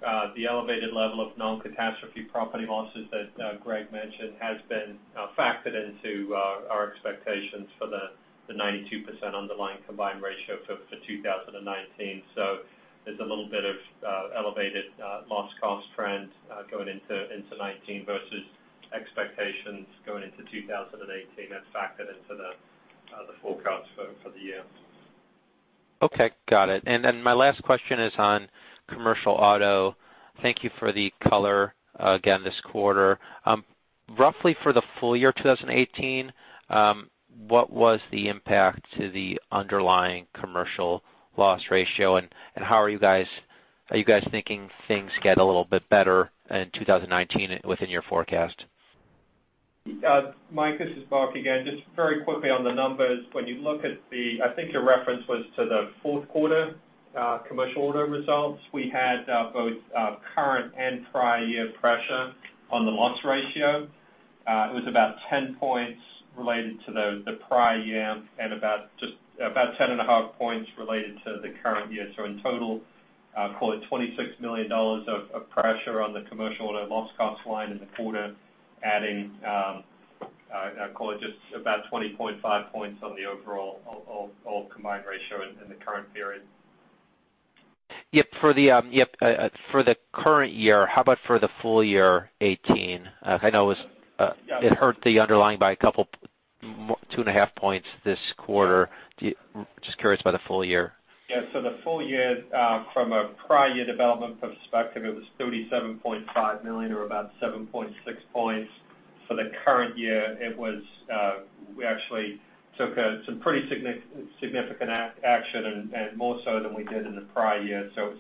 elevated level of non-catastrophe property losses that Greg mentioned has been factored into our expectations for the 92% underlying combined ratio for 2019. There's a little bit of elevated loss cost trend going into 2019 versus expectations going into 2018 that's factored into the forecast for the year. Okay, got it. My last question is on Commercial Auto. Thank you for the color again this quarter. Roughly for the full year 2018, what was the impact to the underlying commercial loss ratio, and are you guys thinking things get a little bit better in 2019 within your forecast? Mike, this is Mark again. Very quickly on the numbers. I think your reference was to the fourth quarter Commercial Auto results. We had both current and prior year pressure on the loss ratio. It was about 10 points related to the prior year and about 10 and a half points related to the current year. In total, call it $26 million of pressure on the Commercial Auto loss cost line in the quarter, adding, call it just about 20.5 points on the overall combined ratio in the current period. Yep. For the current year, how about for the full year 2018? I know it hurt the underlying by two and a half points this quarter. Curious about the full year. Yeah. The full year, from a prior year development perspective, it was $37.5 million or about 7.6 points. For the current year, we actually took some pretty significant action and more so than we did in the prior year. It's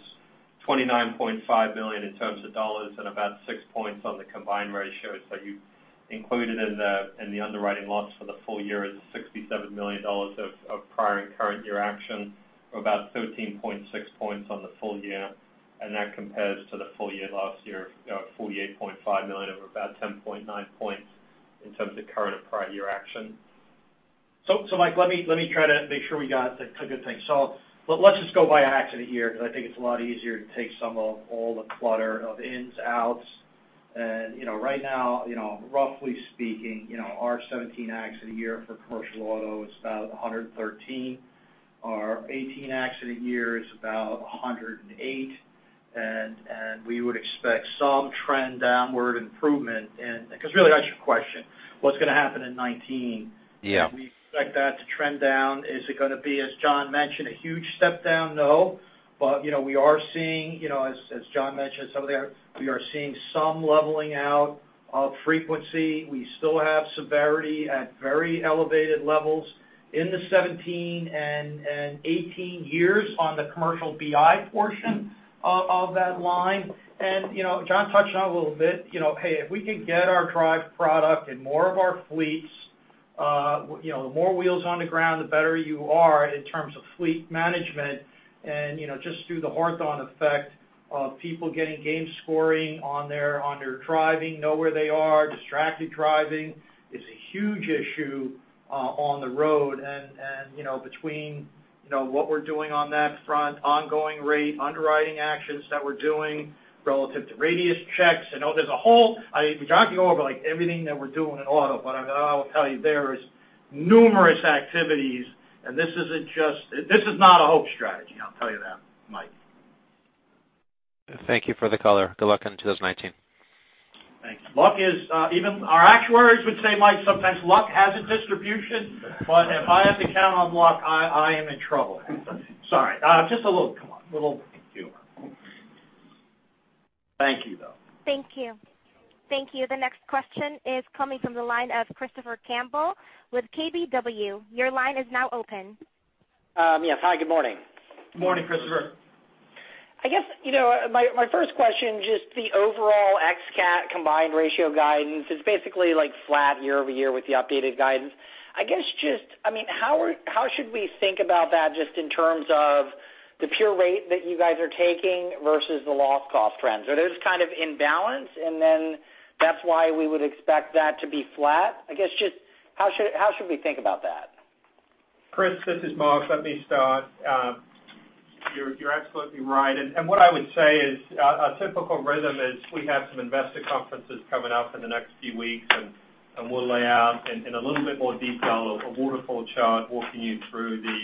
$29.5 million in terms of dollars and about six points on the combined ratio. You included in the underwriting loss for the full year is $67 million of prior and current year action, or about 13.6 points on the full year. That compares to the full year last year of $48.5 million, or about 10.9 points in terms of current and prior year action. Mike, let me try to make sure we got the clear things. Let's just go by accident year, because I think it's a lot easier to take some of all the clutter of ins, outs, and right now, roughly speaking, our 2017 accident year for Commercial Auto is about 113. Our 2018 accident year is about 108. We would expect some trend downward improvement because really that's your question, what's going to happen in 2019? Yeah. We expect that to trend down. Is it going to be, as John mentioned, a huge step down? No. We are seeing, as John mentioned some of that, we are seeing some leveling out of frequency. We still have severity at very elevated levels in the 2017 and 2018 years on the Commercial BI portion of that line. John touched on it a little bit, hey, if we could get our Selective Drive product in more of our fleets, the more wheels on the ground, the better you are in terms of fleet management. Just through the Hawthorne effect of people getting game scoring on their driving, know where they are, distracted driving is a huge issue on the road. Between what we're doing on that front, ongoing rate, underwriting actions that we're doing relative to radius checks. I could go over everything that we're doing in auto, I will tell you there is numerous activities. This is not a hope strategy, I'll tell you that, Mike. Thank you for the color. Good luck in 2019. Thank you. Even our actuaries would say, Mike, sometimes luck has its distribution, but if I have to count on luck, I am in trouble. Sorry. Just a little humor. Thank you, though. Thank you. The next question is coming from the line of Christopher Campbell with KBW. Your line is now open. Yes. Hi, good morning. Morning, Christopher. I guess my first question, just the overall ex-cat combined ratio guidance is basically flat year-over-year with the updated guidance. How should we think about that just in terms of the pure rate that you guys are taking versus the loss cost trends? Are those kind of in balance, and then that's why we would expect that to be flat? I guess, just how should we think about that? Chris, this is Mark. Let me start. You're absolutely right. What I would say is, our typical rhythm is we have some investor conferences coming up in the next few weeks, and we'll lay out in a little bit more detail a waterfall chart walking you through the,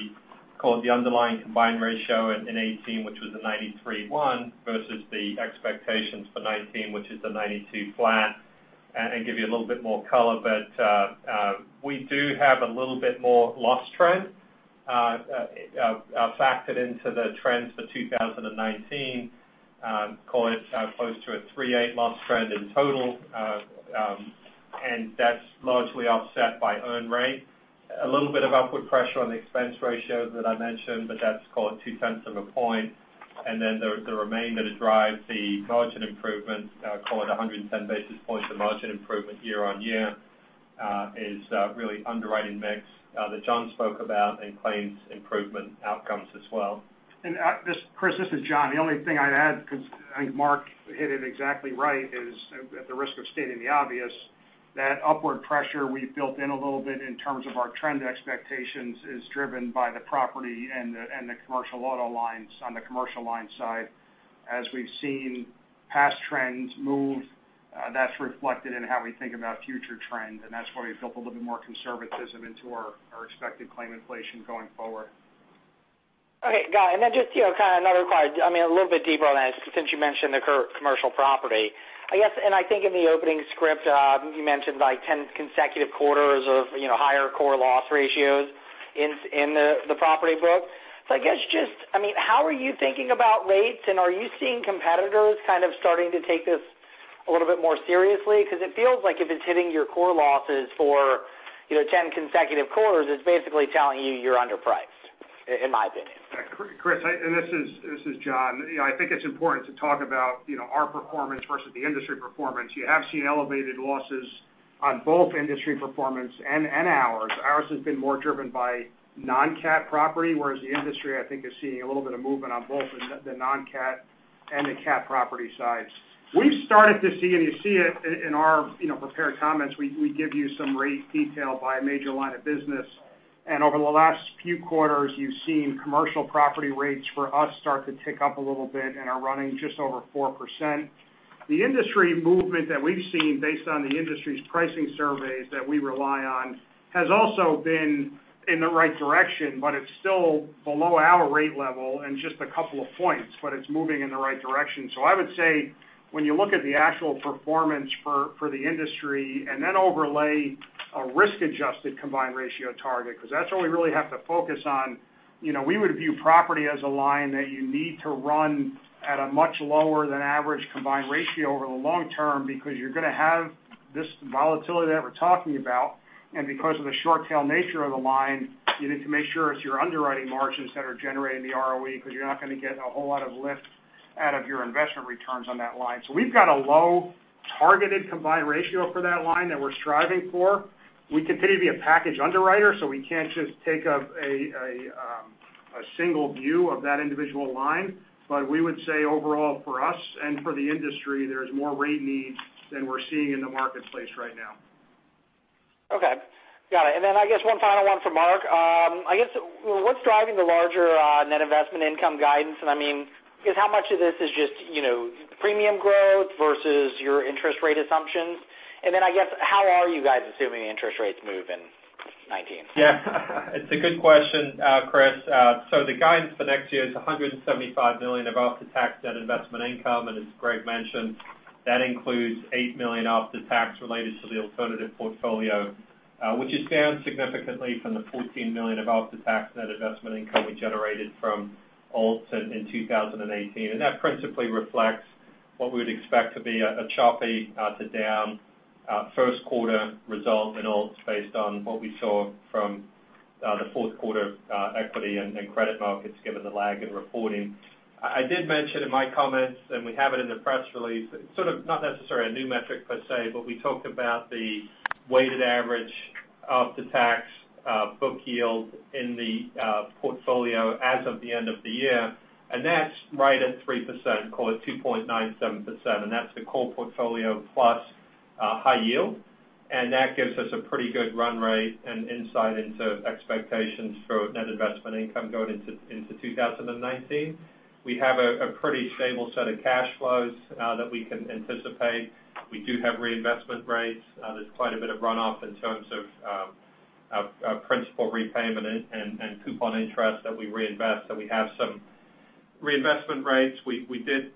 call it the underlying combined ratio in 2018, which was a 93.1 versus the expectations for 2019, which is the 92 flat, give you a little bit more color. We do have a little bit more loss trend factored into the trends for 2019. Call it close to a 3.8 loss trend in total. That's largely offset by earn rate. A little bit of upward pressure on the expense ratio that I mentioned, but that's, call it two-tenths of a point. Then the remainder to drive the margin improvement, call it 110 basis points of margin improvement year-on-year is really underwriting mix that John spoke about and claims improvement outcomes as well. Chris, this is John. The only thing I'd add, because I think Mark hit it exactly right, is at the risk of stating the obvious, that upward pressure we've built in a little bit in terms of our trend expectations is driven by the Commercial Property and the Commercial Auto lines on the Commercial Lines side. As we've seen past trends move, that's reflected in how we think about future trends, and that's why we've built a little bit more conservatism into our expected claim inflation going forward. Okay, got it. Just another part. A little bit deeper on that since you mentioned the Commercial Property. I think in the opening script, you mentioned 10 consecutive quarters of higher core loss ratios in the property book. How are you thinking about rates, and are you seeing competitors kind of starting to take this a little bit more seriously? Because it feels like if it's hitting your core losses for 10 consecutive quarters, it's basically telling you you're underpriced, in my opinion. Chris, this is John. I think it's important to talk about our performance versus the industry performance. You have seen elevated losses on both industry performance and ours. Ours has been more driven by non-CAT property, whereas the industry, I think, is seeing a little bit of movement on both the non-CAT and the CAT property sides. We've started to see, you see it in our prepared comments, we give you some rate detail by major line of business. Over the last few quarters, you've seen Commercial Property rates for us start to tick up a little bit and are running just over 4%. The industry movement that we've seen based on the industry's pricing surveys that we rely on has also been in the right direction, but it's still below our rate level and just a couple of points, but it's moving in the right direction. I would say when you look at the actual performance for the industry and then overlay a risk-adjusted combined ratio target, because that's what we really have to focus on. We would view property as a line that you need to run at a much lower than average combined ratio over the long term because you're going to have this volatility that we're talking about. Because of the short tail nature of the line, you need to make sure it's your underwriting margins that are generating the ROE, because you're not going to get a whole lot of lift out of your investment returns on that line. We've got a low targeted combined ratio for that line that we're striving for. We continue to be a package underwriter, so we can't just take a single view of that individual line. We would say overall for us and for the industry, there's more rate needs than we're seeing in the marketplace right now. Okay. Got it. I guess one final one for Mark. I guess what's driving the larger net investment income guidance? How much of this is just premium growth versus your interest rate assumptions? I guess, how are you guys assuming interest rates move in 2019? Yeah. It's a good question, Chris. The guidance for next year is $175 million of after-tax net investment income, as Greg mentioned, that includes $8 million after tax related to the alternative portfolio which is down significantly from the $14 million of after-tax net investment income we generated from alts in 2018. That principally reflects what we would expect to be a choppy to down first quarter result in alts based on what we saw from the fourth quarter equity and credit markets, given the lag in reporting. I did mention in my comments, and we have it in the press release, sort of not necessarily a new metric per se, but we talked about the weighted average of the tax book yield in the portfolio as of the end of the year. That's right at 3%, call it 2.97%, and that's the core portfolio plus high yield. That gives us a pretty good run rate and insight into expectations for net investment income going into 2019. We have a pretty stable set of cash flows that we can anticipate. We do have reinvestment rates. There's quite a bit of runoff in terms of principal repayment and coupon interest that we reinvest, so we have some reinvestment rates. We did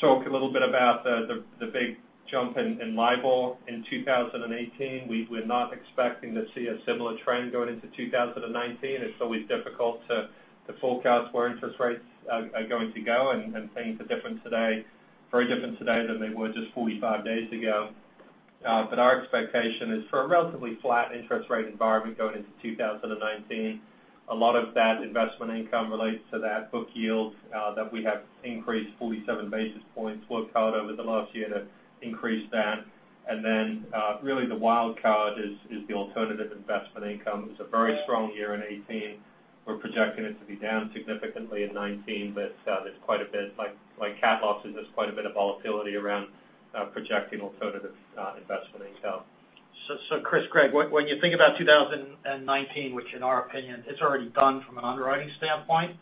talk a little bit about the big jump in LIBOR in 2018. We're not expecting to see a similar trend going into 2019. It's always difficult to forecast where interest rates are going to go, and things are different today, very different today than they were just 45 days ago. Our expectation is for a relatively flat interest rate environment going into 2019. A lot of that investment income relates to that book yield that we have increased 47 basis points workflow over the last year to increase that. Really the wild card is the alternative investment income. It was a very strong year in 2018. We're projecting it to be down significantly in 2019. There's quite a bit like cat losses, there's quite a bit of volatility around projecting alternative investment income. Chris, Greg, when you think about 2019, which in our opinion is already done from an underwriting standpoint,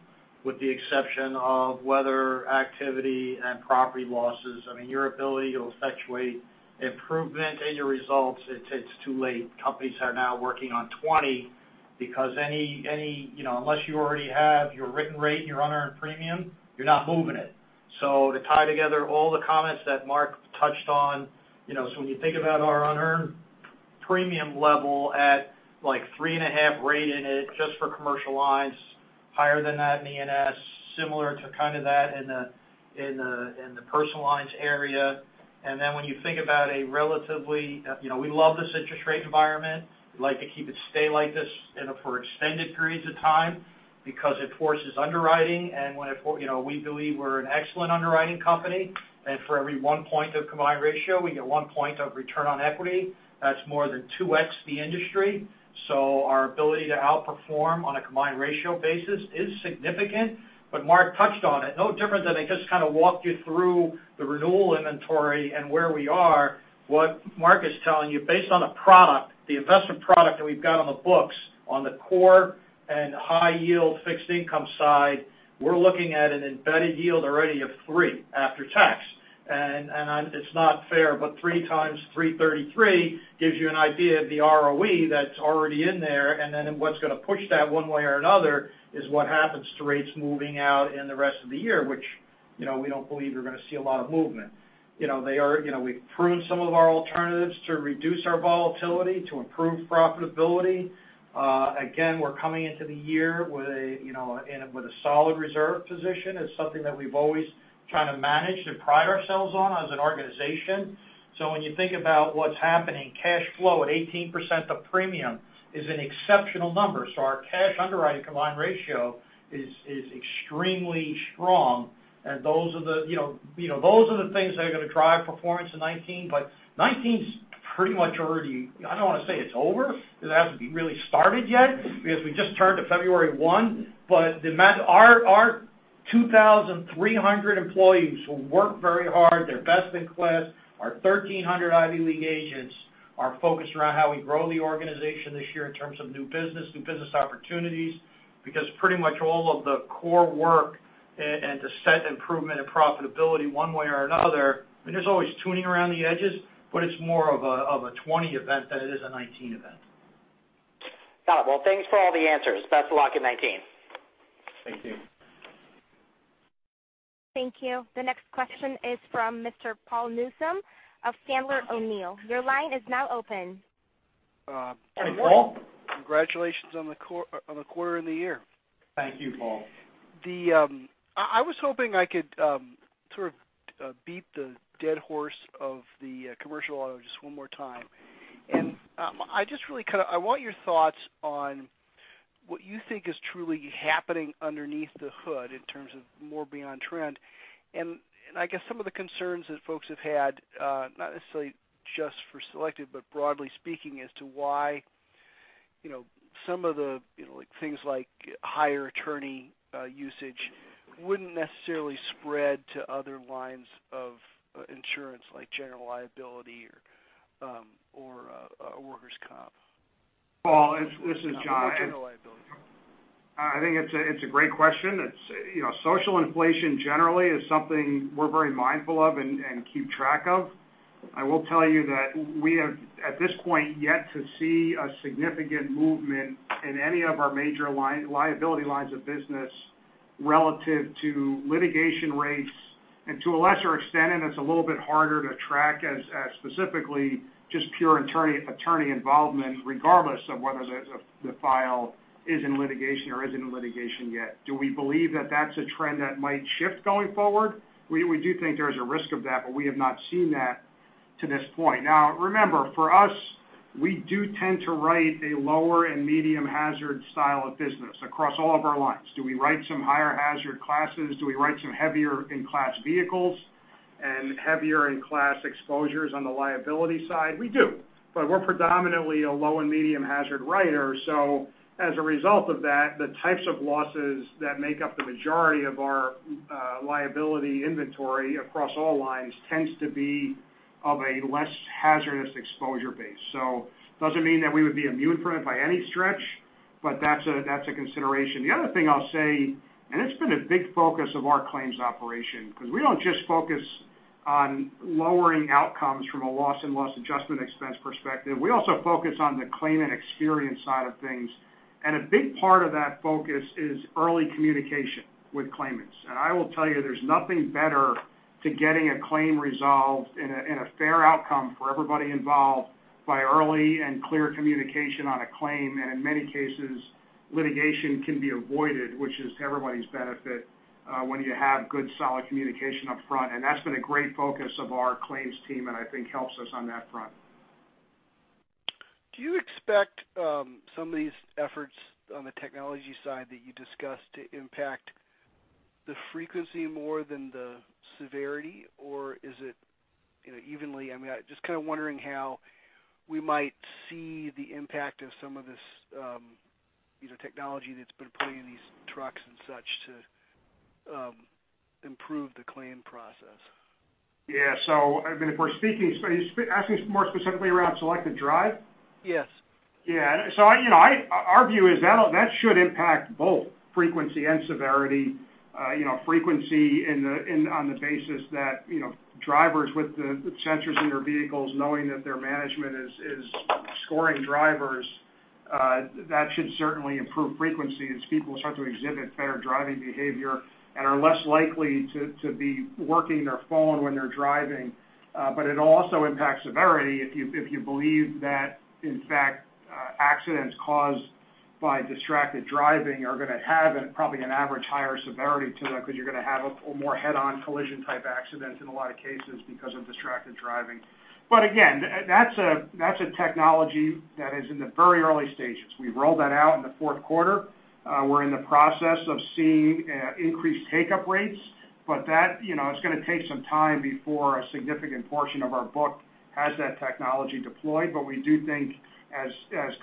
with the exception of weather activity and property losses, I mean, your ability to effectuate improvement in your results, it's too late. Companies are now working on 2020 because unless you already have your written rate and your unearned premium, you're not moving it. To tie together all the comments that Mark touched on, when you think about our unearned premium level at like 3.5% rate in it just for Commercial Lines, higher than that in the E&S, similar to kind of that in the Personal Lines area. When you think about a relatively, we love this interest rate environment. We'd like to keep it stay like this and for extended periods of time because it forces underwriting. We believe we're an excellent underwriting company. For every one point of combined ratio, we get one point of return on equity. That's more than 2x the industry. Our ability to outperform on a combined ratio basis is significant. Mark touched on it. No different than I just kind of walked you through the renewal inventory and where we are, what Mark is telling you, based on the investment product that we've got on the books on the core and high yield fixed income side, we're looking at an embedded yield already of 3% after tax. It's not fair, three times 333 gives you an idea of the ROE that's already in there, and then what's going to push that one way or another is what happens to rates moving out in the rest of the year, which we don't believe you're going to see a lot of movement. We've pruned some of our alternatives to reduce our volatility, to improve profitability. Again, we're coming into the year with a solid reserve position. It's something that we've always tried to manage, and pride ourselves on as an organization. When you think about what's happening, cash flow at 18% of premium is an exceptional number. Our cash underwriting combined ratio is extremely strong, and those are the things that are going to drive performance in 2019. 2019's pretty much already, I don't want to say it's over, because it hasn't really started yet, because we just turned to February 1. Our 2,300 employees who work very hard, they're best in class, our 1,300 Ivy League agents are focused around how we grow the organization this year in terms of new business opportunities. Pretty much all of the core work and to set improvement and profitability one way or another, I mean, there's always tuning around the edges, but it's more of a 2020 event than it is a 2019 event. Got it. Well, thanks for all the answers. Best of luck in 2019. Thank you. Thank you. The next question is from Mr. Paul Newsome of Sandler O'Neill. Your line is now open. Hey, Paul. Congratulations on the quarter and the year. Thank you, Paul. I was hoping I could sort of beat the dead horse of the Commercial Auto just one more time. I want your thoughts on what you think is truly happening underneath the hood in terms of more beyond trend. I guess some of the concerns that folks have had, not necessarily just for Selective, but broadly speaking, as to why some of the things like higher attorney usage wouldn't necessarily spread to other lines of insurance, like General Liability or Workers' Comp. Paul, this is John. More General Liability. I think it's a great question. Social inflation generally is something we're very mindful of and keep track of. I will tell you that we have, at this point, yet to see a significant movement in any of our major liability lines of business relative to litigation rates. To a lesser extent, and it's a little bit harder to track as specifically just pure attorney involvement, regardless of whether the file is in litigation or isn't in litigation yet. Do we believe that that's a trend that might shift going forward? We do think there is a risk of that, we have not seen that to this point. Remember, for us, we do tend to write a lower and medium hazard style of business across all of our lines. Do we write some higher hazard classes? Do we write some heavier end class vehicles and heavier end class exposures on the liability side? We do. We're predominantly a low and medium hazard writer. As a result of that, the types of losses that make up the majority of our liability inventory across all lines tends to be of a less hazardous exposure base. Doesn't mean that we would be immune from it by any stretch, but that's a consideration. The other thing I'll say, it's been a big focus of our claims operation, because we don't just focus on lowering outcomes from a loss and loss adjustment expense perspective. We also focus on the claimant experience side of things. A big part of that focus is early communication with claimants. I will tell you, there's nothing better to getting a claim resolved and a fair outcome for everybody involved by early and clear communication on a claim. In many cases, litigation can be avoided, which is to everybody's benefit, when you have good, solid communication up front. That's been a great focus of our claims team, and I think helps us on that front. Do you expect some of these efforts on the technology side that you discussed to impact the frequency more than the severity or is it evenly? I'm just kind of wondering how we might see the impact of some of this technology that's been put in these trucks and such to improve the claim process. Yeah. If we're speaking, are you asking more specifically around Selective Drive? Yes. Yeah. Our view is that should impact both frequency and severity. Frequency on the basis that drivers with the sensors in their vehicles knowing that their management is scoring drivers, that should certainly improve frequency as people start to exhibit better driving behavior and are less likely to be working their phone when they're driving. It also impacts severity if you believe that, in fact, accidents caused by distracted driving are going to have probably an average higher severity to them because you're going to have more head-on collision type accidents in a lot of cases because of distracted driving. Again, that's a technology that is in the very early stages. We've rolled that out in the fourth quarter. We're in the process of seeing increased take-up rates, but that is going to take some time before a significant portion of our book has that technology deployed. We do think as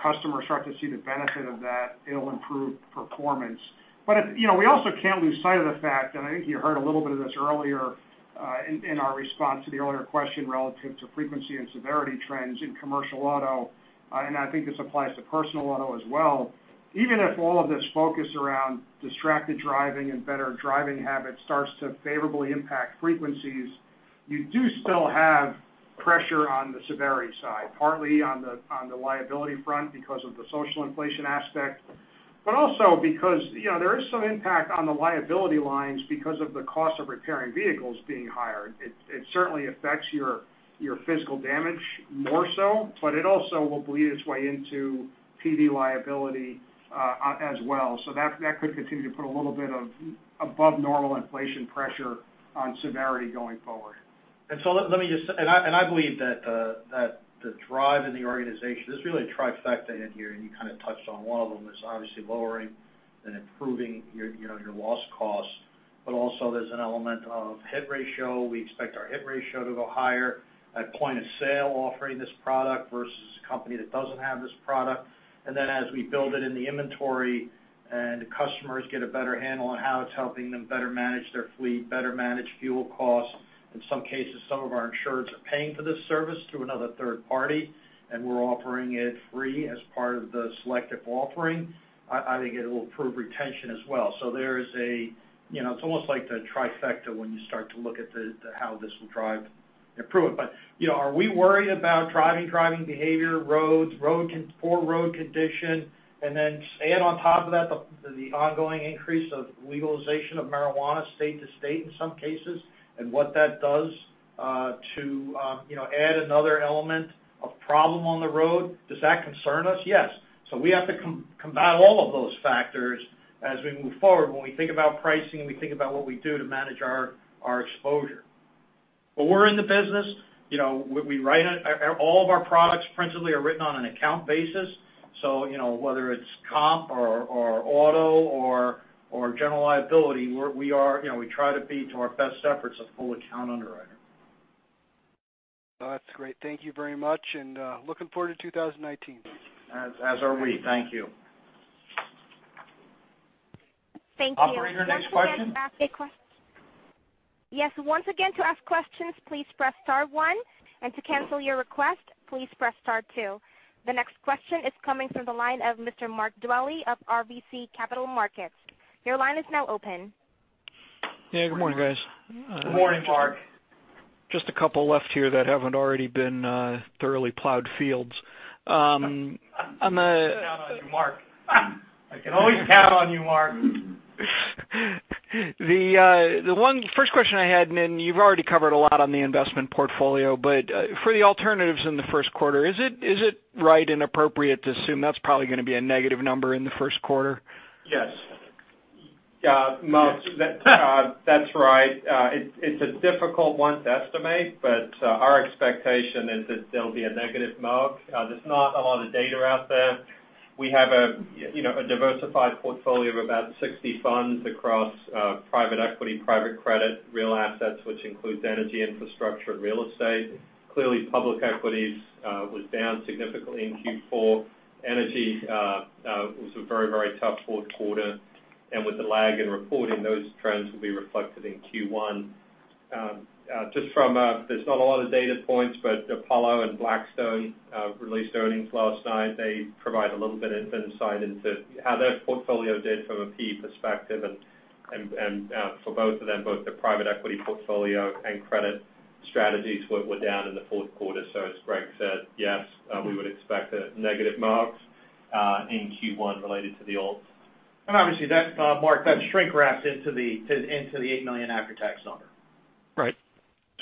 customers start to see the benefit of that, it'll improve performance. We also can't lose sight of the fact, and I think you heard a little bit of this earlier in our response to the earlier question relative to frequency and severity trends in Commercial Auto, and I think this applies to personal auto as well. Even if all of this focus around distracted driving and better driving habits starts to favorably impact frequencies, you do still have pressure on the severity side, partly on the liability front because of the social inflation aspect. Also because there is some impact on the liability lines because of the cost of repairing vehicles being higher. It certainly affects your physical damage more so, but it also will bleed its way into PD liability as well. That could continue to put a little bit of above normal inflation pressure on severity going forward. I believe that the drive in the organization, there's really a trifecta in here, and you kind of touched on one of them, is obviously lowering and improving your loss costs. Also there's an element of hit ratio. We expect our hit ratio to go higher at point of sale offering this product versus a company that doesn't have this product. Then as we build it in the inventory and customers get a better handle on how it's helping them better manage their fleet, better manage fuel costs. In some cases, some of our insurers are paying for this service through another third party, and we're offering it free as part of the Selective offering. I think it will improve retention as well. It's almost like the trifecta when you start to look at how this will drive improvement. Are we worried about driving behavior, roads, poor road condition, and then add on top of that the ongoing increase of legalization of marijuana state to state in some cases and what that does to add another element of problem on the road? Does that concern us? Yes. We have to combat all of those factors as we move forward when we think about pricing and we think about what we do to manage our exposure. We're in the business. All of our products principally are written on an account basis. Whether it's comp or auto or General Liability, we try to be, to our best efforts, a full account underwriter. That's great. Thank you very much. Looking forward to 2019. As are we. Thank you. Thank you. Operator, next question. Yes. Once again, to ask questions, please press star one, and to cancel your request, please press star two. The next question is coming from the line of Mr. Mark Dwelle of RBC Capital Markets. Your line is now open. Yeah, good morning, guys. Good morning, Mark. Just a couple left here that haven't already been thoroughly plowed fields. I can count on you, Mark. I can always count on you, Mark. The first question I had, you've already covered a lot on the investment portfolio, but for the alternatives in the first quarter, is it right and appropriate to assume that's probably going to be a negative number in the first quarter? Yes. Yes. Mark, that's right. It's a difficult one to estimate, but our expectation is that there'll be a negative mark. There's not a lot of data out there. We have a diversified portfolio of about 60 funds across private equity, private credit, real assets, which includes energy, infrastructure, and real estate. Clearly, public equities was down significantly in Q4. Energy was a very tough fourth quarter, with the lag in reporting, those trends will be reflected in Q1. There's not a lot of data points, Apollo and Blackstone released earnings last night. They provide a little bit of insight into how their portfolio did from a PE perspective, for both of them, both the private equity portfolio and credit strategies were down in the fourth quarter. As Greg said, yes, we would expect a negative mark in Q1 related to the alts. Obviously, Mark, that shrink wraps into the $8 million after-tax number. Right.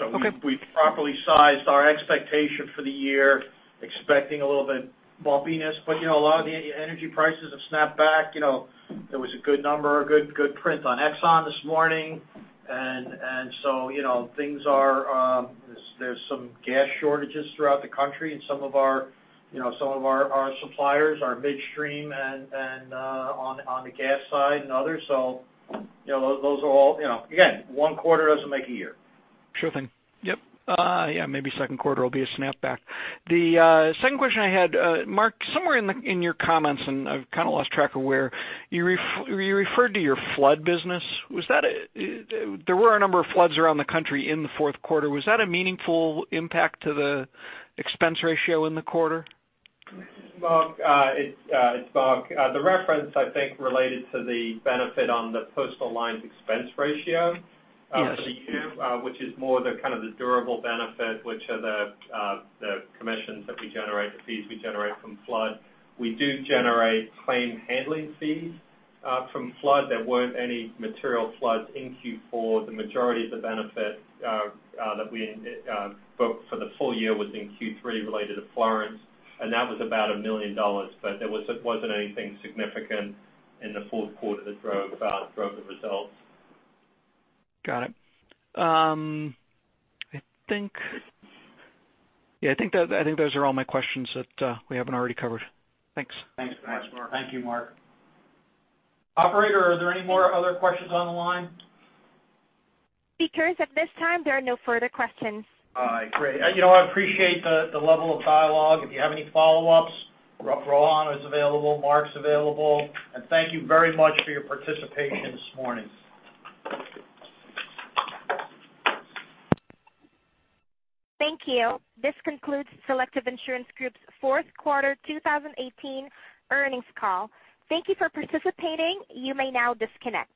Okay. We've properly sized our expectation for the year, expecting a little bit bumpiness. A lot of the energy prices have snapped back. There was a good number, a good print on Exxon this morning, there's some gas shortages throughout the country and some of our suppliers are midstream and on the gas side and others. Again, one quarter doesn't make a year. Sure thing. Yep. Yeah, maybe second quarter will be a snap back. The second question I had, Mark, somewhere in your comments, and I've kind of lost track of where, you referred to your flood business. There were a number of floods around the country in the fourth quarter. Was that a meaningful impact to the expense ratio in the quarter? It's Mark. The reference, I think, related to the benefit on the Personal Lines expense ratio. Yes For the year, which is more the kind of the durable benefit, which are the commissions that we generate, the fees we generate from flood. We do generate claim handling fees from flood. There weren't any material floods in Q4. The majority of the benefit that we booked for the full year was in Q3 related to Florence, and that was about $1 million. There wasn't anything significant in the fourth quarter that drove the results. Got it. I think those are all my questions that we haven't already covered. Thanks. Thanks so much, Mark. Thank you, Mark. Operator, are there any more other questions on the line? Speakers, at this time, there are no further questions. All right, great. I appreciate the level of dialogue. If you have any follow-ups, Rohan is available, Mark's available, Thank you very much for your participation this morning. Thank you. This concludes Selective Insurance Group's fourth quarter 2018 earnings call. Thank you for participating. You may now disconnect.